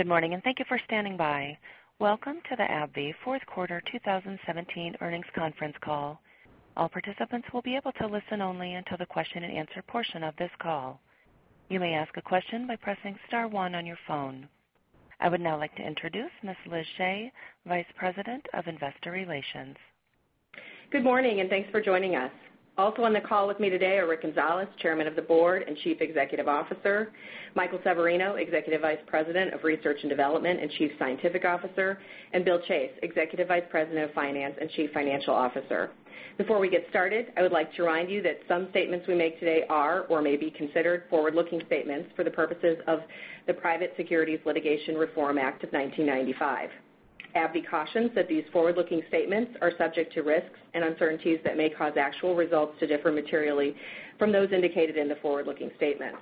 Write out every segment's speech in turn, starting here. Good morning. Thank you for standing by. Welcome to the AbbVie Fourth Quarter 2017 Earnings Conference Call. All participants will be able to listen only until the question and answer portion of this call. You may ask a question by pressing star one on your phone. I would now like to introduce Ms. Liz Shea, Vice President of Investor Relations. Good morning. Thanks for joining us. Also on the call with me today are Rick Gonzalez, Chairman of the Board and Chief Executive Officer, Michael Severino, Executive Vice President of Research and Development and Chief Scientific Officer, and Bill Chase, Executive Vice President of Finance and Chief Financial Officer. Before we get started, I would like to remind you that some statements we make today are or may be considered forward-looking statements for the purposes of the Private Securities Litigation Reform Act of 1995. AbbVie cautions that these forward-looking statements are subject to risks and uncertainties that may cause actual results to differ materially from those indicated in the forward-looking statements.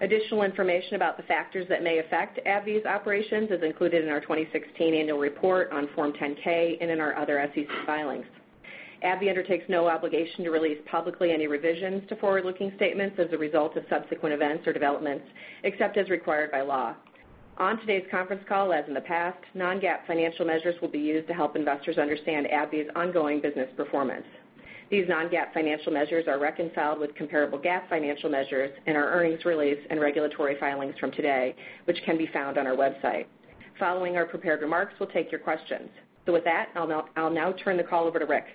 Additional information about the factors that may affect AbbVie's operations is included in our 2016 annual report on Form 10-K and in our other SEC filings. AbbVie undertakes no obligation to release publicly any revisions to forward-looking statements as a result of subsequent events or developments, except as required by law. On today's conference call, as in the past, non-GAAP financial measures will be used to help investors understand AbbVie's ongoing business performance. These non-GAAP financial measures are reconciled with comparable GAAP financial measures in our earnings release and regulatory filings from today, which can be found on our website. Following our prepared remarks, we'll take your questions. With that, I'll now turn the call over to Rick.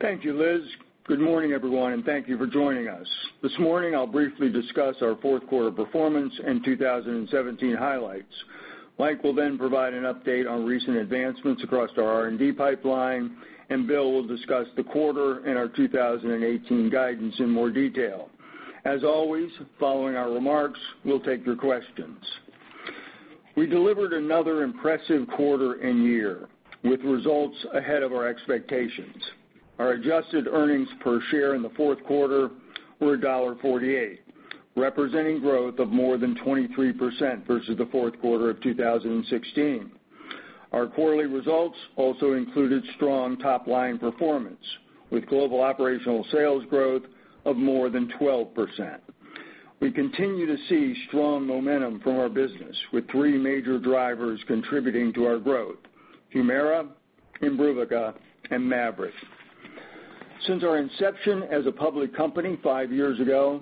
Thank you, Liz. Good morning, everyone. Thank you for joining us. This morning I'll briefly discuss our fourth quarter performance and 2017 highlights. Mike will provide an update on recent advancements across our R&D pipeline. Bill will discuss the quarter and our 2018 guidance in more detail. As always, following our remarks, we'll take your questions. We delivered another impressive quarter and year, with results ahead of our expectations. Our adjusted EPS in the fourth quarter were $1.48, representing growth of more than 23% versus the fourth quarter of 2016. Our quarterly results also included strong top-line performance, with global operational sales growth of more than 12%. We continue to see strong momentum from our business with three major drivers contributing to our growth, HUMIRA, IMBRUVICA, and MAVYRET. Since our inception as a public company five years ago,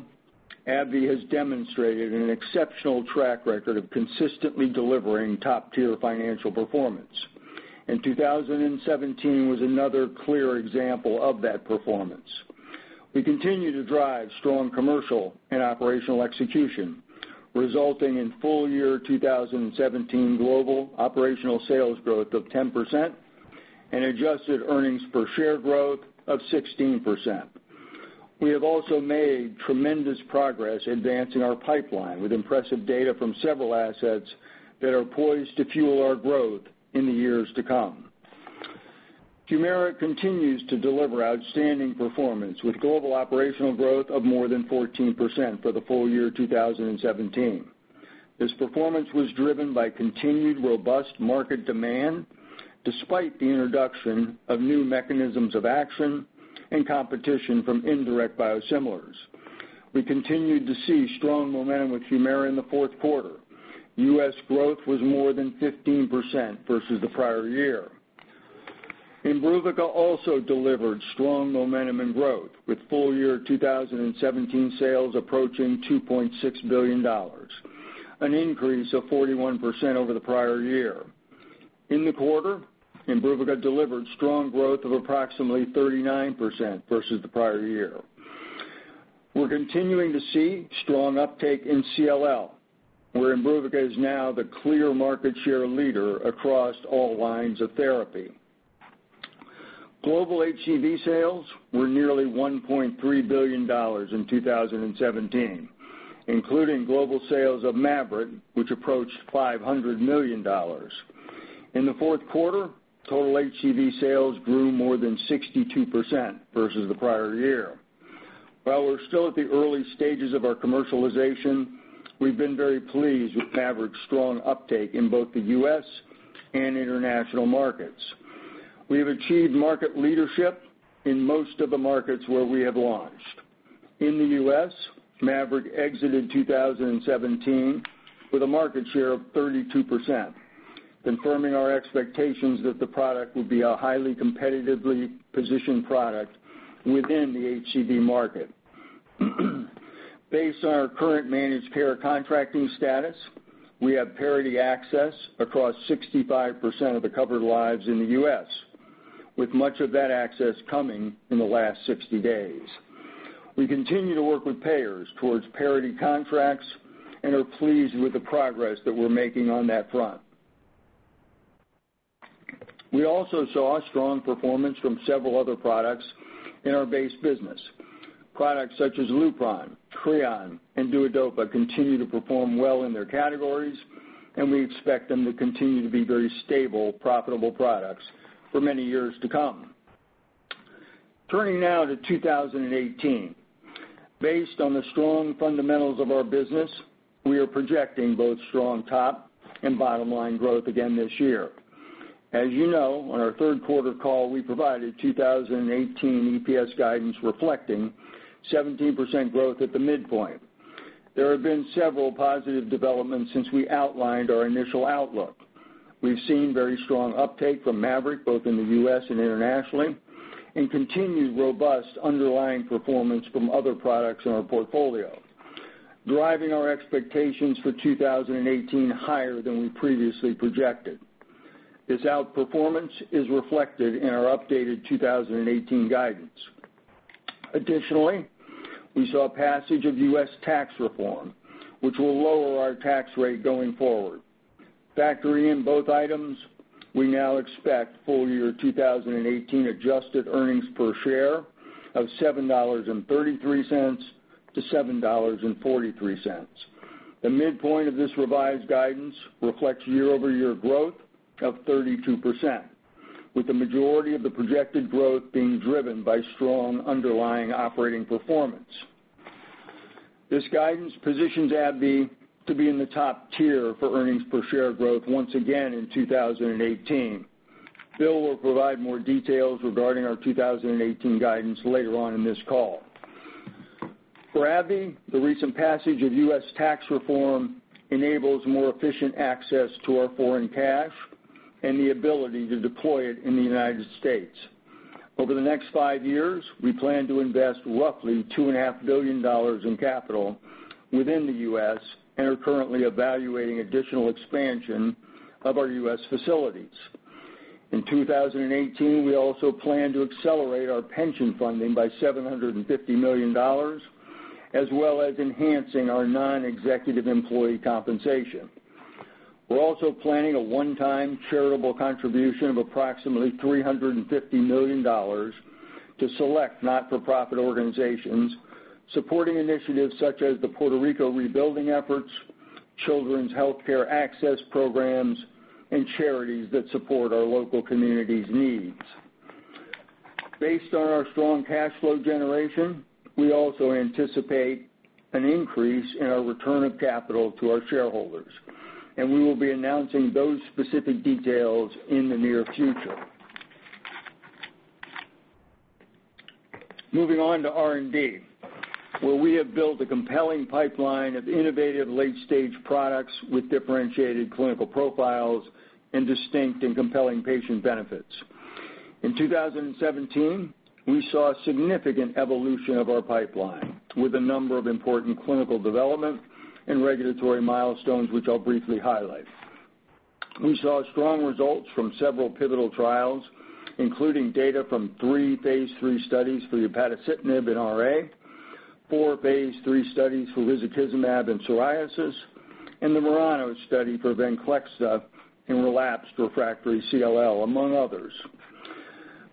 AbbVie has demonstrated an exceptional track record of consistently delivering top-tier financial performance, and 2017 was another clear example of that performance. We continue to drive strong commercial and operational execution, resulting in full year 2017 global operational sales growth of 10% and adjusted earnings per share growth of 16%. We have also made tremendous progress advancing our pipeline with impressive data from several assets that are poised to fuel our growth in the years to come. HUMIRA continues to deliver outstanding performance, with global operational growth of more than 14% for the full year 2017. This performance was driven by continued robust market demand, despite the introduction of new mechanisms of action and competition from indirect biosimilars. We continued to see strong momentum with HUMIRA in the fourth quarter. U.S. growth was more than 15% versus the prior year. IMBRUVICA also delivered strong momentum and growth, with full year 2017 sales approaching $2.6 billion, an increase of 41% over the prior year. In the quarter, IMBRUVICA delivered strong growth of approximately 39% versus the prior year. We're continuing to see strong uptake in CLL, where IMBRUVICA is now the clear market share leader across all lines of therapy. Global HCV sales were nearly $1.3 billion in 2017, including global sales of MAVYRET, which approached $500 million. In the fourth quarter, total HCV sales grew more than 62% versus the prior year. While we're still at the early stages of our commercialization, we've been very pleased with MAVYRET's strong uptake in both the U.S. and international markets. We have achieved market leadership in most of the markets where we have launched. In the U.S., MAVYRET exited 2017 with a market share of 32%, confirming our expectations that the product would be a highly competitively positioned product within the HCV market. Based on our current managed care contracting status, we have parity access across 65% of the covered lives in the U.S., with much of that access coming in the last 60 days. We continue to work with payers towards parity contracts and are pleased with the progress that we're making on that front. We also saw strong performance from several other products in our base business. Products such as LUPRON, CREON, and DUODOPA continue to perform well in their categories, and we expect them to continue to be very stable, profitable products for many years to come. Turning now to 2018. Based on the strong fundamentals of our business, we are projecting both strong top and bottom-line growth again this year. As you know, on our third quarter call, we provided 2018 EPS guidance reflecting 17% growth at the midpoint. There have been several positive developments since we outlined our initial outlook. We've seen very strong uptake from MAVYRET, both in the U.S. and internationally, and continued robust underlying performance from other products in our portfolio, driving our expectations for 2018 higher than we previously projected. This outperformance is reflected in our updated 2018 guidance. Additionally, we saw passage of U.S. tax reform, which will lower our tax rate going forward. Factoring in both items, we now expect full year 2018 adjusted earnings per share of $7.33 to $7.43. The midpoint of this revised guidance reflects year-over-year growth of 32%, with the majority of the projected growth being driven by strong underlying operating performance. This guidance positions AbbVie to be in the top tier for earnings per share growth once again in 2018. Bill will provide more details regarding our 2018 guidance later on in this call. For AbbVie, the recent passage of U.S. tax reform enables more efficient access to our foreign cash and the ability to deploy it in the United States. Over the next five years, we plan to invest roughly $2.5 billion in capital within the U.S., and are currently evaluating additional expansion of our U.S. facilities. In 2018, we also plan to accelerate our pension funding by $750 million, as well as enhancing our non-executive employee compensation. We're also planning a one-time charitable contribution of approximately $350 million to select not-for-profit organizations, supporting initiatives such as the Puerto Rico rebuilding efforts, children's healthcare access programs, and charities that support our local community's needs. Based on our strong cash flow generation, we also anticipate an increase in our return of capital to our shareholders, we will be announcing those specific details in the near future. Moving on to R&D, where we have built a compelling pipeline of innovative late-stage products with differentiated clinical profiles and distinct and compelling patient benefits. In 2017, we saw significant evolution of our pipeline, with a number of important clinical development and regulatory milestones, which I'll briefly highlight. We saw strong results from several pivotal trials, including data from three phase III studies for upadacitinib in RA, four phase III studies for risankizumab in psoriasis, and the MURANO study for VENCLEXTA in relapsed/refractory CLL, among others.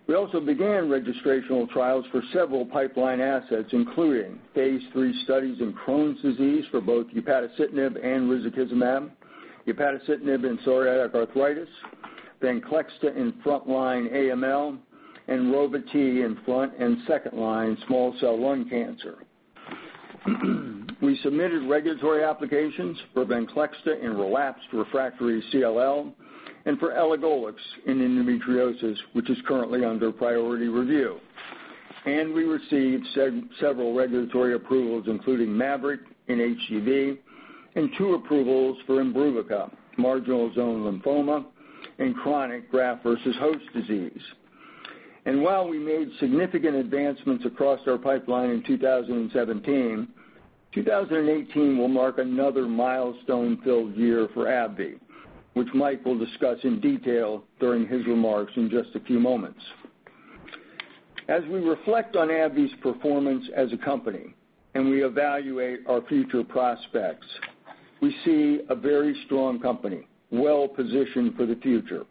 We also began registrational trials for several pipeline assets, including phase III studies in Crohn's disease for both upadacitinib and risankizumab, upadacitinib in psoriatic arthritis, VENCLEXTA in frontline AML, and Rova-T in front and second line small cell lung cancer. We submitted regulatory applications for VENCLEXTA in relapsed/refractory CLL, and for elagolix in endometriosis, which is currently under priority review. We received several regulatory approvals, including MAVYRET in HCV and two approvals for IMBRUVICA, marginal zone lymphoma and chronic graft versus host disease. While we made significant advancements across our pipeline in 2017, 2018 will mark another milestone-filled year for AbbVie, which Mike will discuss in detail during his remarks in just a few moments. As we reflect on AbbVie's performance as a company, and we evaluate our future prospects, we see a very strong company, well-positioned for the future.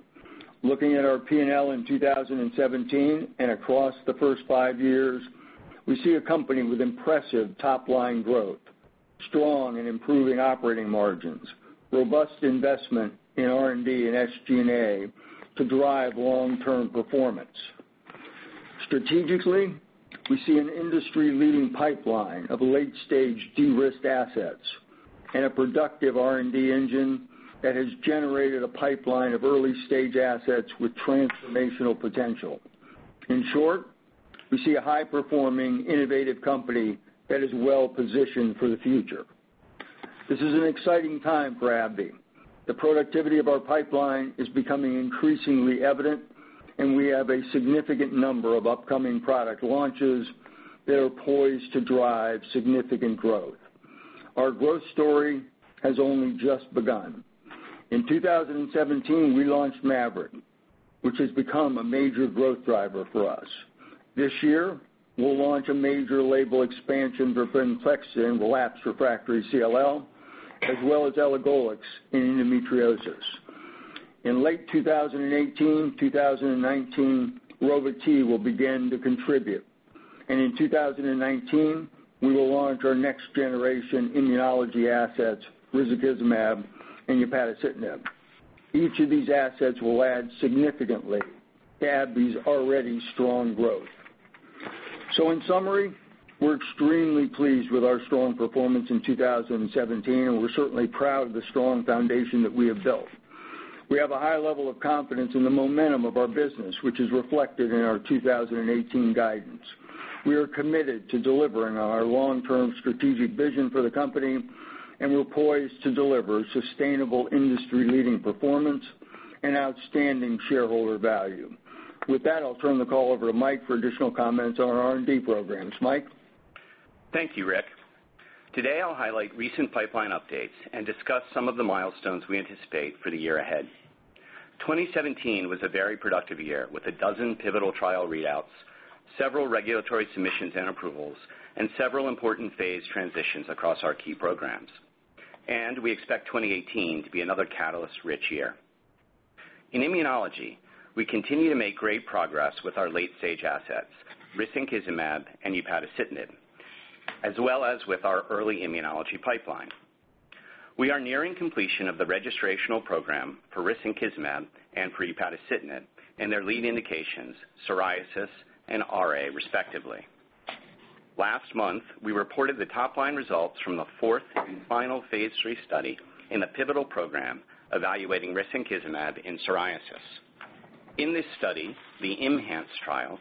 Looking at our P&L in 2017 and across the first five years, we see a company with impressive top-line growth, strong and improving operating margins, robust investment in R&D and SG&A to drive long-term performance. Strategically, we see an industry-leading pipeline of late-stage de-risked assets and a productive R&D engine that has generated a pipeline of early-stage assets with transformational potential. In short, we see a high-performing, innovative company that is well-positioned for the future. This is an exciting time for AbbVie. The productivity of our pipeline is becoming increasingly evident. We have a significant number of upcoming product launches that are poised to drive significant growth. Our growth story has only just begun. In 2017, we launched MAVYRET, which has become a major growth driver for us. This year, we'll launch a major label expansion for VENCLEXTA in relapsed/refractory CLL, as well as elagolix in endometriosis. In late 2018, 2019, Rova-T will begin to contribute. In 2019, we will launch our next generation immunology assets, risankizumab and upadacitinib. Each of these assets will add significantly to AbbVie's already strong growth. In summary, we're extremely pleased with our strong performance in 2017, and we're certainly proud of the strong foundation that we have built. We have a high level of confidence in the momentum of our business, which is reflected in our 2018 guidance. We are committed to delivering on our long-term strategic vision for the company. We're poised to deliver sustainable industry-leading performance and outstanding shareholder value. With that, I'll turn the call over to Mike for additional comments on our R&D programs. Mike? Thank you, Rick. Today, I'll highlight recent pipeline updates and discuss some of the milestones we anticipate for the year ahead. 2017 was a very productive year, with a dozen pivotal trial readouts, several regulatory submissions and approvals, and several important phase transitions across our key programs. We expect 2018 to be another catalyst-rich year. In immunology, we continue to make great progress with our late-stage assets, risankizumab and upadacitinib, as well as with our early immunology pipeline. We are nearing completion of the registrational program for risankizumab and for upadacitinib in their lead indications, psoriasis and RA respectively. Last month, we reported the top-line results from the fourth and final phase III study in the pivotal program evaluating risankizumab in psoriasis. In this study, the IMMhance trial,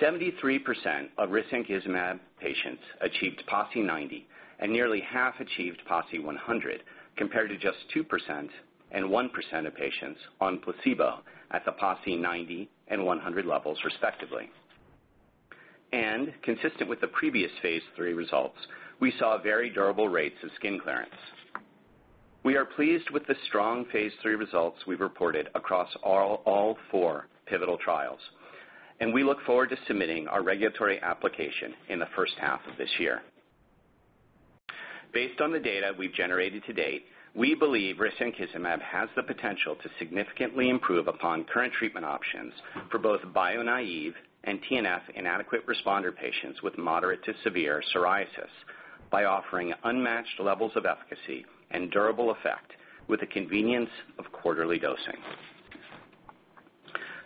73% of risankizumab patients achieved PASI 90, and nearly half achieved PASI 100, compared to just 2% and 1% of patients on placebo at the PASI 90 and 100 levels respectively. Consistent with the previous phase III results, we saw very durable rates of skin clearance. We are pleased with the strong phase III results we've reported across all four pivotal trials. We look forward to submitting our regulatory application in the first half of this year. Based on the data we've generated to date, we believe risankizumab has the potential to significantly improve upon current treatment options for both bio-naive and TNF inadequate responder patients with moderate to severe psoriasis by offering unmatched levels of efficacy and durable effect with the convenience of quarterly dosing.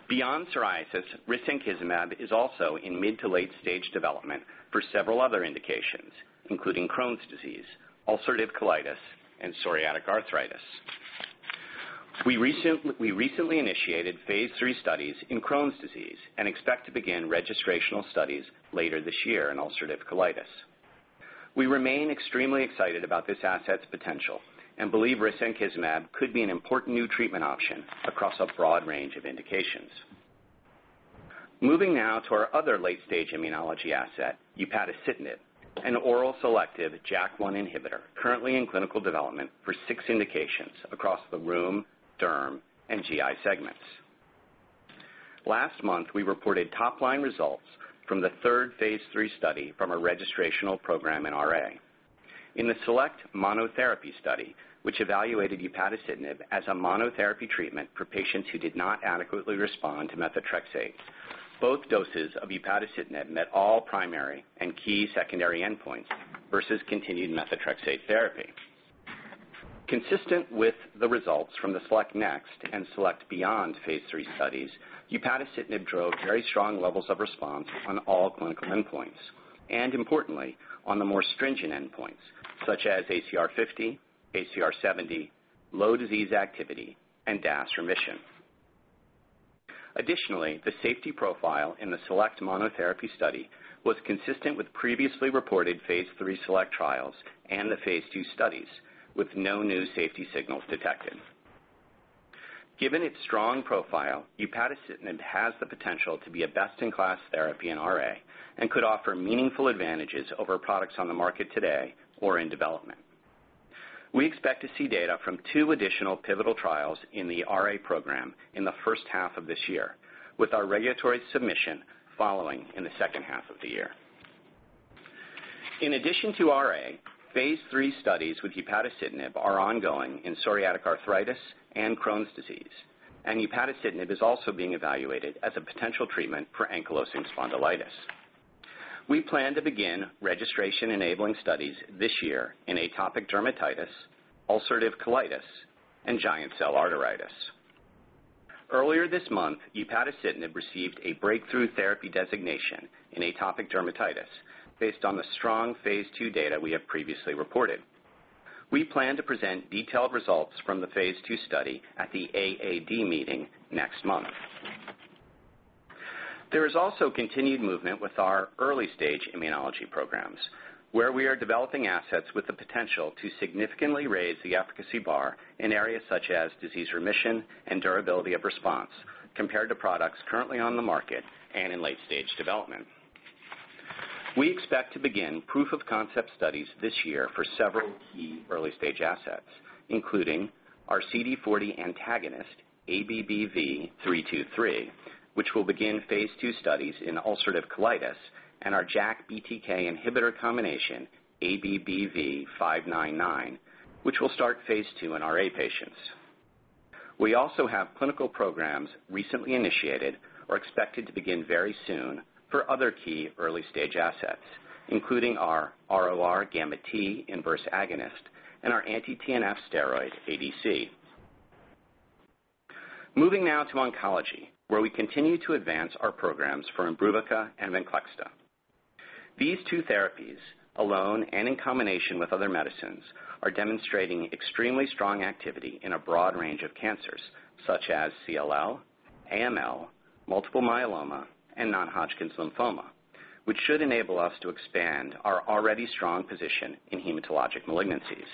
Beyond psoriasis, risankizumab is also in mid to late-stage development for several other indications, including Crohn's disease, ulcerative colitis, and psoriatic arthritis. We recently initiated phase III studies in Crohn's disease and expect to begin registrational studies later this year in ulcerative colitis. We remain extremely excited about this asset's potential and believe risankizumab could be an important new treatment option across a broad range of indications. Moving now to our other late-stage immunology asset, upadacitinib, an oral selective JAK1 inhibitor currently in clinical development for six indications across the rheum, derm, and GI segments. Last month, we reported top-line results from the third phase III study from a registrational program in RA. In the SELECT-MONOTHERAPY study, which evaluated upadacitinib as a monotherapy treatment for patients who did not adequately respond to methotrexate, both doses of upadacitinib met all primary and key secondary endpoints versus continued methotrexate therapy. Consistent with the results from the SELECT-NEXT and SELECT-BEYOND phase III studies, upadacitinib drove very strong levels of response on all clinical endpoints, and importantly, on the more stringent endpoints, such as ACR 50, ACR 70, low disease activity, and DAS remission. Additionally, the safety profile in the SELECT-MONOTHERAPY study was consistent with previously reported phase III SELECT trials and the phase II studies, with no new safety signals detected. Given its strong profile, upadacitinib has the potential to be a best-in-class therapy in RA and could offer meaningful advantages over products on the market today or in development. We expect to see data from two additional pivotal trials in the RA program in the first half of this year, with our regulatory submission following in the second half of the year. In addition to RA, phase III studies with upadacitinib are ongoing in psoriatic arthritis and Crohn's disease, and upadacitinib is also being evaluated as a potential treatment for ankylosing spondylitis. We plan to begin registration-enabling studies this year in atopic dermatitis, ulcerative colitis, and giant cell arteritis. Earlier this month, upadacitinib received a breakthrough therapy designation in atopic dermatitis based on the strong phase II data we have previously reported. We plan to present detailed results from the phase II study at the AAD meeting next month. There is also continued movement with our early-stage immunology programs, where we are developing assets with the potential to significantly raise the efficacy bar in areas such as disease remission and durability of response compared to products currently on the market and in late-stage development. We expect to begin proof-of-concept studies this year for several key early-stage assets, including our CD40 antagonist, ABBV-323, which will begin phase II studies in ulcerative colitis, and our JAK-BTK inhibitor combination, ABBV-599, which will start phase II in RA patients. We also have clinical programs recently initiated or expected to begin very soon for other key early-stage assets, including our RORγt inverse agonist and our anti-TNF steroid ADC. Moving now to oncology, where we continue to advance our programs for IMBRUVICA and VENCLEXTA. These two therapies, alone and in combination with other medicines, are demonstrating extremely strong activity in a broad range of cancers, such as CLL, AML, multiple myeloma, and non-Hodgkin's lymphoma, which should enable us to expand our already strong position in hematologic malignancies.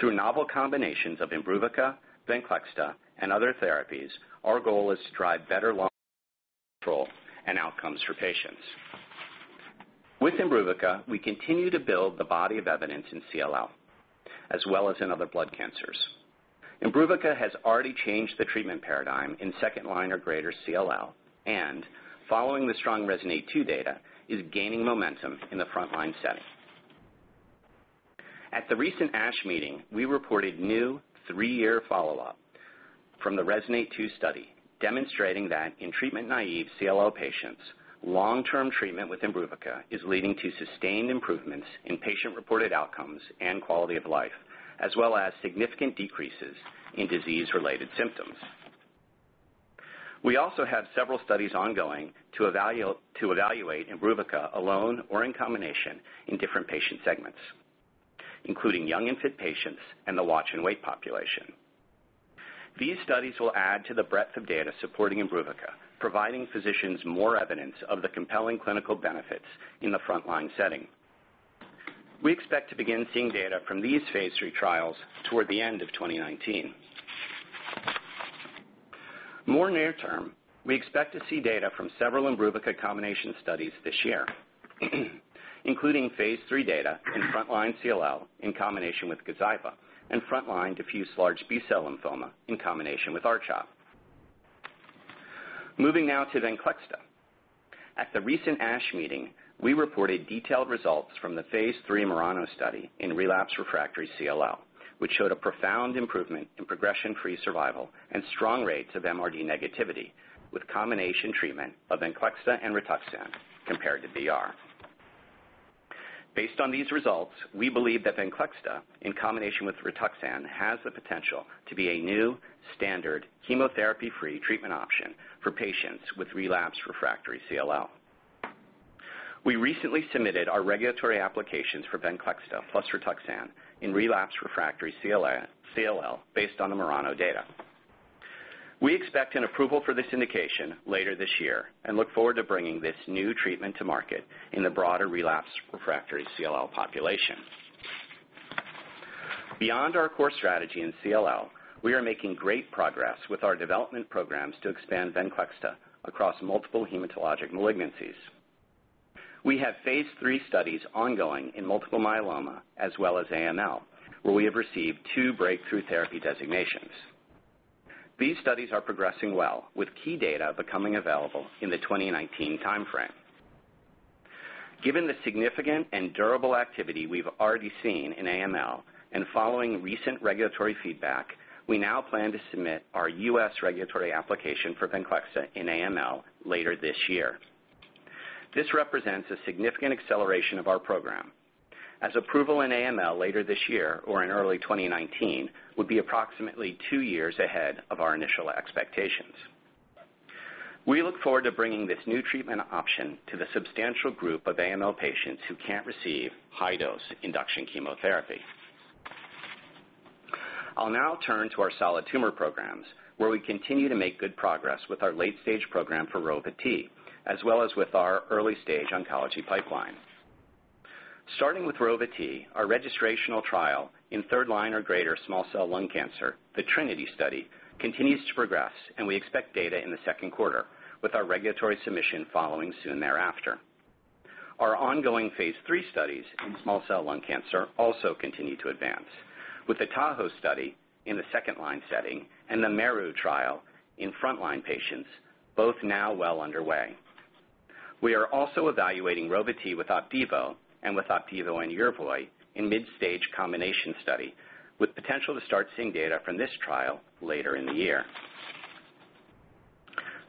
Through novel combinations of IMBRUVICA, VENCLEXTA, and other therapies, our goal is to drive better long-term control and outcomes for patients. With IMBRUVICA, we continue to build the body of evidence in CLL, as well as in other blood cancers. IMBRUVICA has already changed the treatment paradigm in second-line or greater CLL, and following the strong RESONATE-2 data, is gaining momentum in the frontline setting. At the recent ASH meeting, we reported new three-year follow-up from the RESONATE-2 study, demonstrating that in treatment-naive CLL patients, long-term treatment with IMBRUVICA is leading to sustained improvements in patient-reported outcomes and quality of life, as well as significant decreases in disease-related symptoms. We also have several studies ongoing to evaluate IMBRUVICA alone or in combination in different patient segments, including young unfit patients and the watch and wait population. These studies will add to the breadth of data supporting IMBRUVICA, providing physicians more evidence of the compelling clinical benefits in the frontline setting. We expect to begin seeing data from these phase III trials toward the end of 2019. More near term, we expect to see data from several IMBRUVICA combination studies this year, including phase III data in frontline CLL in combination with GAZYVA and frontline diffuse large B-cell lymphoma in combination with R-CHOP. Moving now to VENCLEXTA. At the recent ASH meeting, we reported detailed results from the phase III MURANO study in relapsed/refractory CLL, which showed a profound improvement in progression-free survival and strong rates of MRD negativity with combination treatment of VENCLEXTA and RITUXAN compared to BR. Based on these results, we believe that VENCLEXTA in combination with RITUXAN has the potential to be a new standard chemotherapy-free treatment option for patients with relapsed/refractory CLL. We recently submitted our regulatory applications for VENCLEXTA plus RITUXAN in relapsed/refractory CLL based on the MURANO data. We expect an approval for this indication later this year and look forward to bringing this new treatment to market in the broader relapsed/refractory CLL population. Beyond our core strategy in CLL, we are making great progress with our development programs to expand VENCLEXTA across multiple hematologic malignancies. We have phase III studies ongoing in multiple myeloma as well as AML, where we have received two breakthrough therapy designations. These studies are progressing well, with key data becoming available in the 2019 timeframe. Given the significant and durable activity we've already seen in AML and following recent regulatory feedback, we now plan to submit our U.S. regulatory application for VENCLEXTA in AML later this year. This represents a significant acceleration of our program, as approval in AML later this year or in early 2019 would be approximately two years ahead of our initial expectations. We look forward to bringing this new treatment option to the substantial group of AML patients who can't receive high-dose induction chemotherapy. I'll now turn to our solid tumor programs, where we continue to make good progress with our late-stage program for Rova-T, as well as with our early-stage oncology pipeline. Starting with Rova-T, our registrational trial in third line or greater small cell lung cancer, the TRINITY study, continues to progress, and we expect data in the second quarter, with our regulatory submission following soon thereafter. Our ongoing phase III studies in small cell lung cancer also continue to advance, with the TAHOE study in the second line setting and the MERU trial in frontline patients both now well underway. We are also evaluating Rova-T with OPDIVO and with OPDIVO and YERVOY in mid-stage combination study, with potential to start seeing data from this trial later in the year.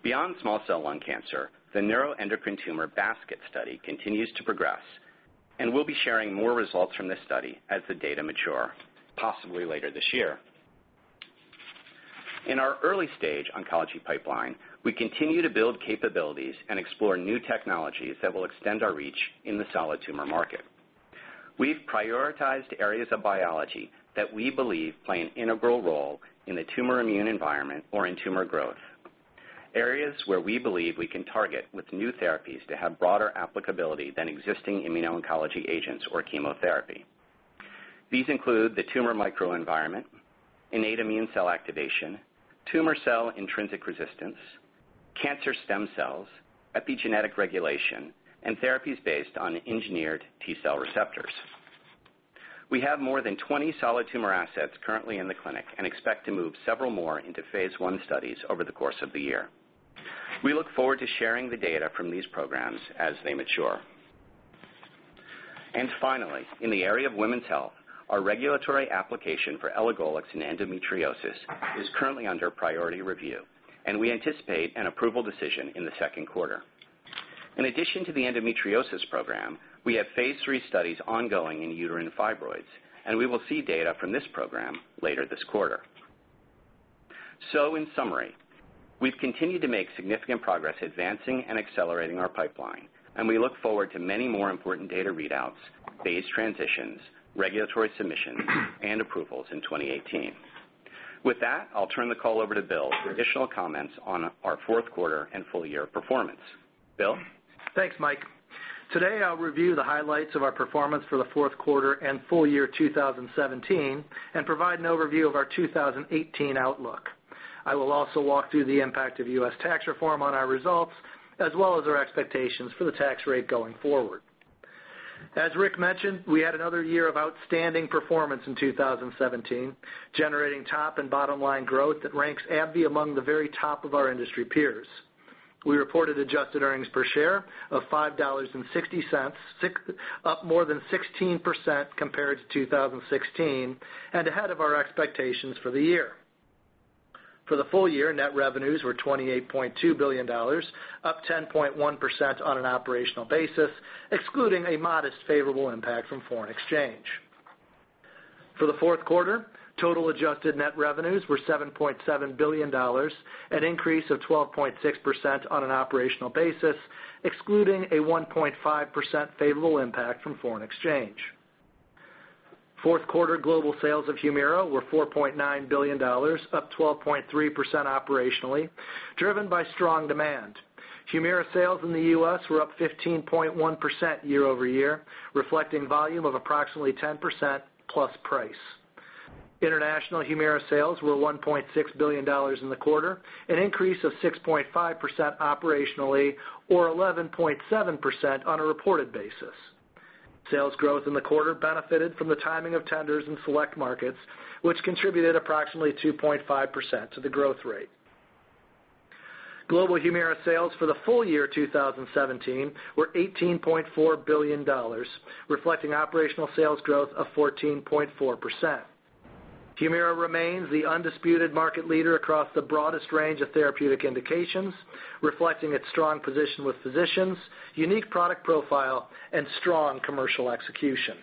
Beyond small cell lung cancer, the neuroendocrine tumor BASKET study continues to progress, and we'll be sharing more results from this study as the data mature, possibly later this year. In our early stage oncology pipeline, we continue to build capabilities and explore new technologies that will extend our reach in the solid tumor market. We've prioritized areas of biology that we believe play an integral role in the tumor immune environment or in tumor growth, areas where we believe we can target with new therapies to have broader applicability than existing immuno-oncology agents or chemotherapy. These include the tumor microenvironment, innate immune cell activation, tumor cell intrinsic resistance, cancer stem cells, epigenetic regulation, and therapies based on engineered T-cell receptors. We have more than 20 solid tumor assets currently in the clinic and expect to move several more into phase I studies over the course of the year. We look forward to sharing the data from these programs as they mature. Finally, in the area of women's health, our regulatory application for elagolix in endometriosis is currently under priority review, and we anticipate an approval decision in the second quarter. In addition to the endometriosis program, we have phase III studies ongoing in uterine fibroids, and we will see data from this program later this quarter. In summary, we've continued to make significant progress advancing and accelerating our pipeline, and we look forward to many more important data readouts, phase transitions, regulatory submissions, and approvals in 2018. With that, I'll turn the call over to Bill for additional comments on our fourth quarter and full year performance. Bill? Thanks, Mike. Today, I'll review the highlights of our performance for the fourth quarter and full year 2017 and provide an overview of our 2018 outlook. I will also walk through the impact of U.S. tax reform on our results, as well as our expectations for the tax rate going forward. As Rick mentioned, we had another year of outstanding performance in 2017, generating top and bottom-line growth that ranks AbbVie among the very top of our industry peers. We reported adjusted earnings per share of $5.60, up more than 16% compared to 2016, and ahead of our expectations for the year. For the full year, net revenues were $28.2 billion, up 10.1% on an operational basis, excluding a modest, favorable impact from foreign exchange. For the fourth quarter, total adjusted net revenues were $7.7 billion, an increase of 12.6% on an operational basis, excluding a 1.5% favorable impact from foreign exchange. Fourth quarter global sales of HUMIRA were $4.9 billion, up 12.3% operationally, driven by strong demand. HUMIRA sales in the U.S. were up 15.1% year-over-year, reflecting volume of approximately 10% plus price. International HUMIRA sales were $1.6 billion in the quarter, an increase of 6.5% operationally, or 11.7% on a reported basis. Sales growth in the quarter benefited from the timing of tenders in select markets, which contributed approximately 2.5% to the growth rate. Global HUMIRA sales for the full year 2017 were $18.4 billion, reflecting operational sales growth of 14.4%. HUMIRA remains the undisputed market leader across the broadest range of therapeutic indications, reflecting its strong position with physicians, unique product profile, and strong commercial execution.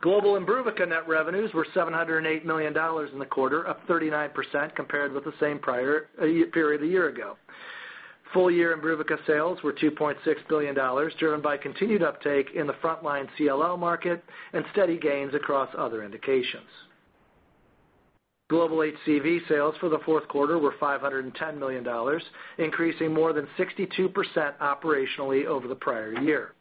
Global IMBRUVICA net revenues were $708 million in the quarter, up 39% compared with the same period a year ago. Full year IMBRUVICA sales were $2.6 billion, driven by continued uptake in the frontline CLL market and steady gains across other indications. Global HCV sales for the fourth quarter were $510 million, increasing more than 62% operationally over the prior year.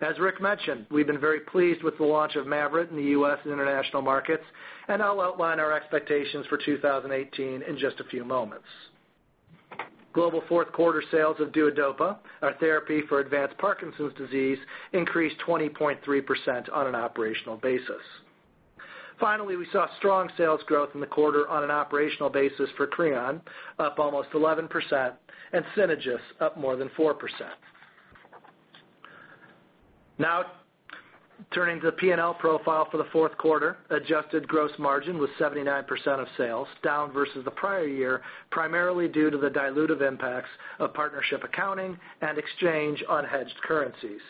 As Rick mentioned, we've been very pleased with the launch of MAVYRET in the U.S. and international markets, and I'll outline our expectations for 2018 in just a few moments. Global fourth quarter sales of DUODOPA, our therapy for advanced Parkinson's disease, increased 20.3% on an operational basis. Finally, we saw strong sales growth in the quarter on an operational basis for CREON, up almost 11%, and Synagis up more than 4%. Turning to the P&L profile for the fourth quarter, adjusted gross margin was 79% of sales, down versus the prior year, primarily due to the dilutive impacts of partnership accounting and exchange unhedged currencies.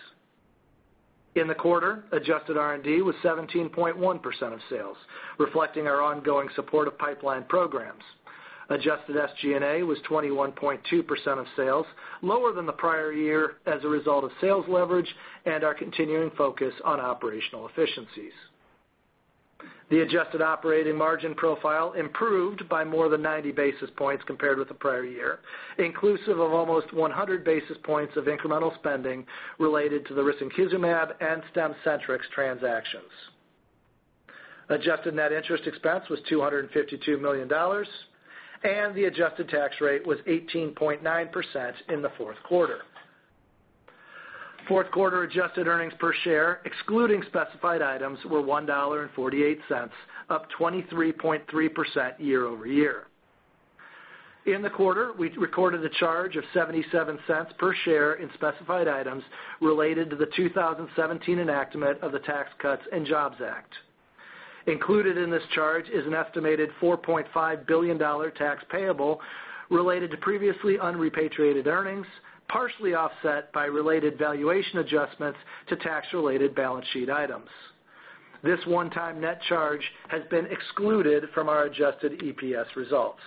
In the quarter, adjusted R&D was 17.1% of sales, reflecting our ongoing support of pipeline programs. Adjusted SG&A was 21.2% of sales, lower than the prior year as a result of sales leverage and our continuing focus on operational efficiencies. The adjusted operating margin profile improved by more than 90 basis points compared with the prior year, inclusive of almost 100 basis points of incremental spending related to the risankizumab and Stemcentrx transactions. Adjusted net interest expense was $252 million, and the adjusted tax rate was 18.9% in the fourth quarter. Fourth quarter adjusted earnings per share, excluding specified items, were $1.48, up 23.3% year-over-year. In the quarter, we recorded a charge of $0.77 per share in specified items related to the 2017 enactment of the Tax Cuts and Jobs Act. Included in this charge is an estimated $4.5 billion tax payable related to previously unrepatriated earnings, partially offset by related valuation adjustments to tax-related balance sheet items. This one-time net charge has been excluded from our adjusted EPS results.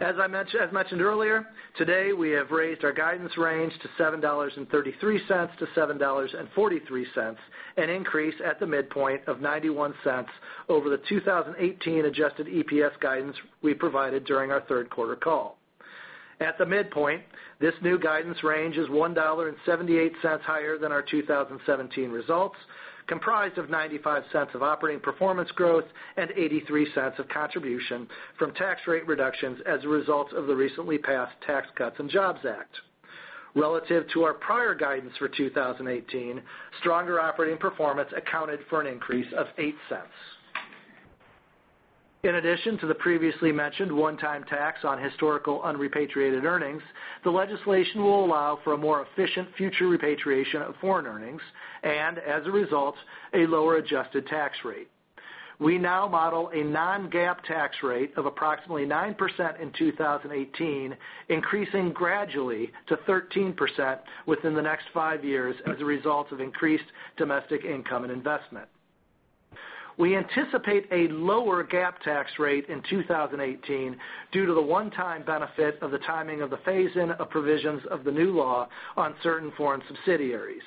As I mentioned earlier, today we have raised our guidance range to $7.33-$7.43, an increase at the midpoint of $0.91 over the 2018 adjusted EPS guidance we provided during our third quarter call. At the midpoint, this new guidance range is $1.78 higher than our 2017 results, comprised of $0.95 of operating performance growth and $0.83 of contribution from tax rate reductions as a result of the recently passed Tax Cuts and Jobs Act. Relative to our prior guidance for 2018, stronger operating performance accounted for an increase of $0.08. In addition to the previously mentioned one-time tax on historical unrepatriated earnings, the legislation will allow for a more efficient future repatriation of foreign earnings and, as a result, a lower adjusted tax rate. We now model a non-GAAP tax rate of approximately 9% in 2018, increasing gradually to 13% within the next five years as a result of increased domestic income and investment. We anticipate a lower GAAP tax rate in 2018 due to the one-time benefit of the timing of the phase-in of provisions of the new law on certain foreign subsidiaries.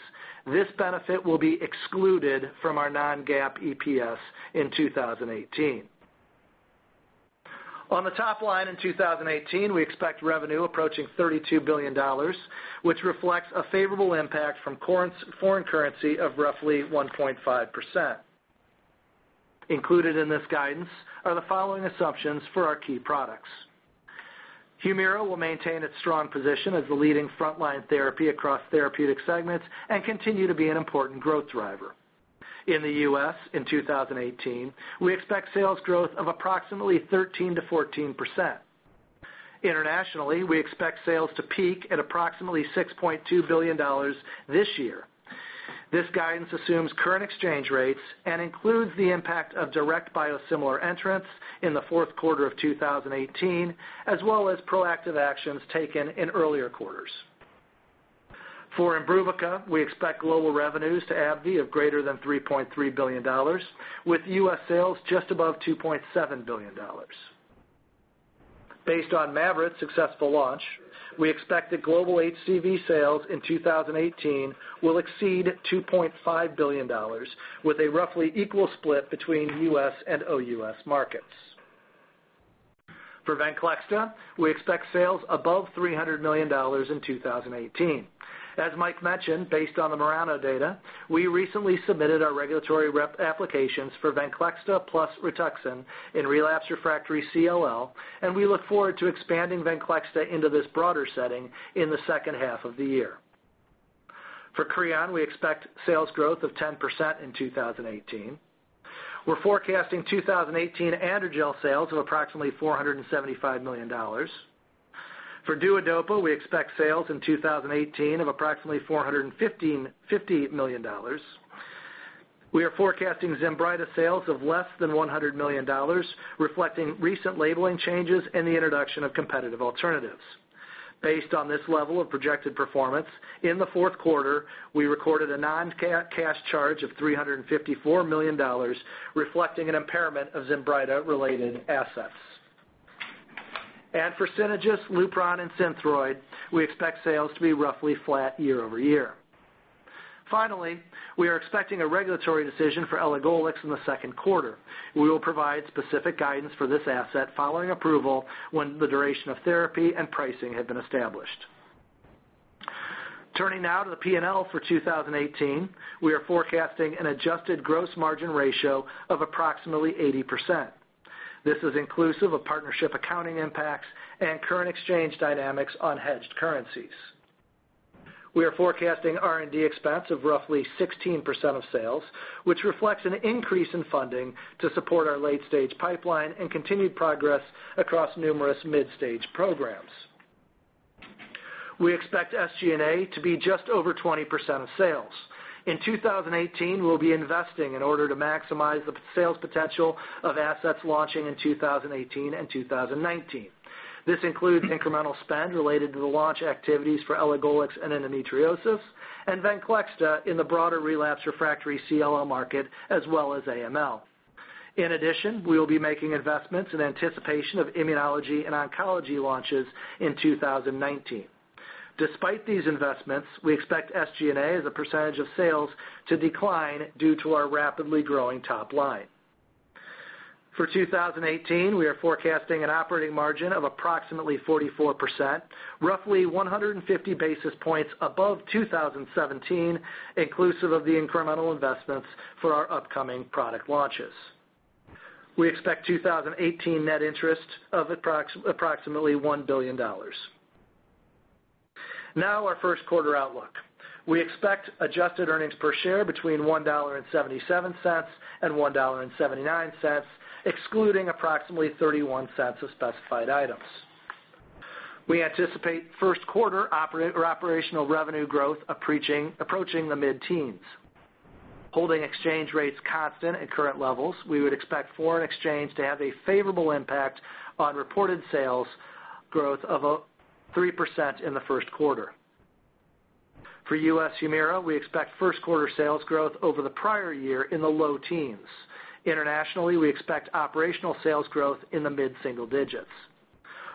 This benefit will be excluded from our non-GAAP EPS in 2018. On the top line in 2018, we expect revenue approaching $32 billion, which reflects a favorable impact from foreign currency of roughly 1.5%. Included in this guidance are the following assumptions for our key products. HUMIRA will maintain its strong position as the leading frontline therapy across therapeutic segments and continue to be an important growth driver. In the U.S., in 2018, we expect sales growth of approximately 13%-14%. Internationally, we expect sales to peak at approximately $6.2 billion this year. This guidance assumes current exchange rates and includes the impact of direct biosimilar entrants in the fourth quarter of 2018, as well as proactive actions taken in earlier quarters. For IMBRUVICA, we expect global revenues to AbbVie of greater than $3.3 billion, with U.S. sales just above $2.7 billion. Based on MAVYRET's successful launch, we expect that global HCV sales in 2018 will exceed $2.5 billion, with a roughly equal split between U.S. and OUS markets. For VENCLEXTA, we expect sales above $300 million in 2018. As Mike mentioned, based on the MURANO data, we recently submitted our regulatory applications for VENCLEXTA plus RITUXAN in relapse refractory CLL, we look forward to expanding VENCLEXTA into this broader setting in the second half of the year. For CREON, we expect sales growth of 10% in 2018. We are forecasting 2018 AndroGel sales of approximately $475 million. For DUODOPA, we expect sales in 2018 of approximately $450 million. We are forecasting ZINBRYTA sales of less than $100 million, reflecting recent labeling changes and the introduction of competitive alternatives. Based on this level of projected performance, in the fourth quarter, we recorded a non-GAAP cash charge of $354 million, reflecting an impairment of ZINBRYTA-related assets. For Synagis, LUPRON and SYNTHROID, we expect sales to be roughly flat year-over-year. Finally, we are expecting a regulatory decision for elagolix in the second quarter. We will provide specific guidance for this asset following approval when the duration of therapy and pricing have been established. Turning now to the P&L for 2018, we are forecasting an adjusted gross margin ratio of approximately 80%. This is inclusive of partnership accounting impacts and current exchange dynamics on hedged currencies. We are forecasting R&D expense of roughly 16% of sales, which reflects an increase in funding to support our late-stage pipeline and continued progress across numerous mid-stage programs. We expect SG&A to be just over 20% of sales. In 2018, we will be investing in order to maximize the sales potential of assets launching in 2018 and 2019. This includes incremental spend related to the launch activities for elagolix and endometriosis and VENCLEXTA in the broader relapse refractory CLL market, as well as AML. In addition, we will be making investments in anticipation of immunology and oncology launches in 2019. Despite these investments, we expect SG&A as a percentage of sales to decline due to our rapidly growing top line. For 2018, we are forecasting an operating margin of approximately 44%, roughly 150 basis points above 2017, inclusive of the incremental investments for our upcoming product launches. We expect 2018 net interest of approximately $1 billion. Now our first quarter outlook. We expect adjusted earnings per share between $1.77 and $1.79, excluding approximately $0.31 of specified items. We anticipate first quarter operational revenue growth approaching the mid-teens. Holding exchange rates constant at current levels, we would expect foreign exchange to have a favorable impact on reported sales growth of 3% in the first quarter. For U.S. HUMIRA, we expect first quarter sales growth over the prior year in the low teens. Internationally, we expect operational sales growth in the mid-single digits.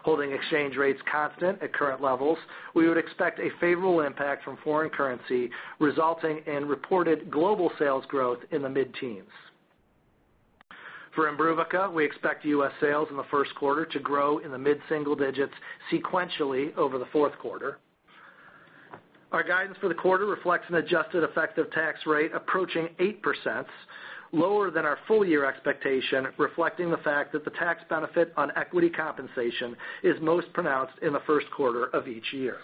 Holding exchange rates constant at current levels, we would expect a favorable impact from foreign currency, resulting in reported global sales growth in the mid-teens. For IMBRUVICA, we expect U.S. sales in the first quarter to grow in the mid-single digits sequentially over the fourth quarter. Our guidance for the quarter reflects an adjusted effective tax rate approaching 8%, lower than our full year expectation, reflecting the fact that the tax benefit on equity compensation is most pronounced in the first quarter of each year.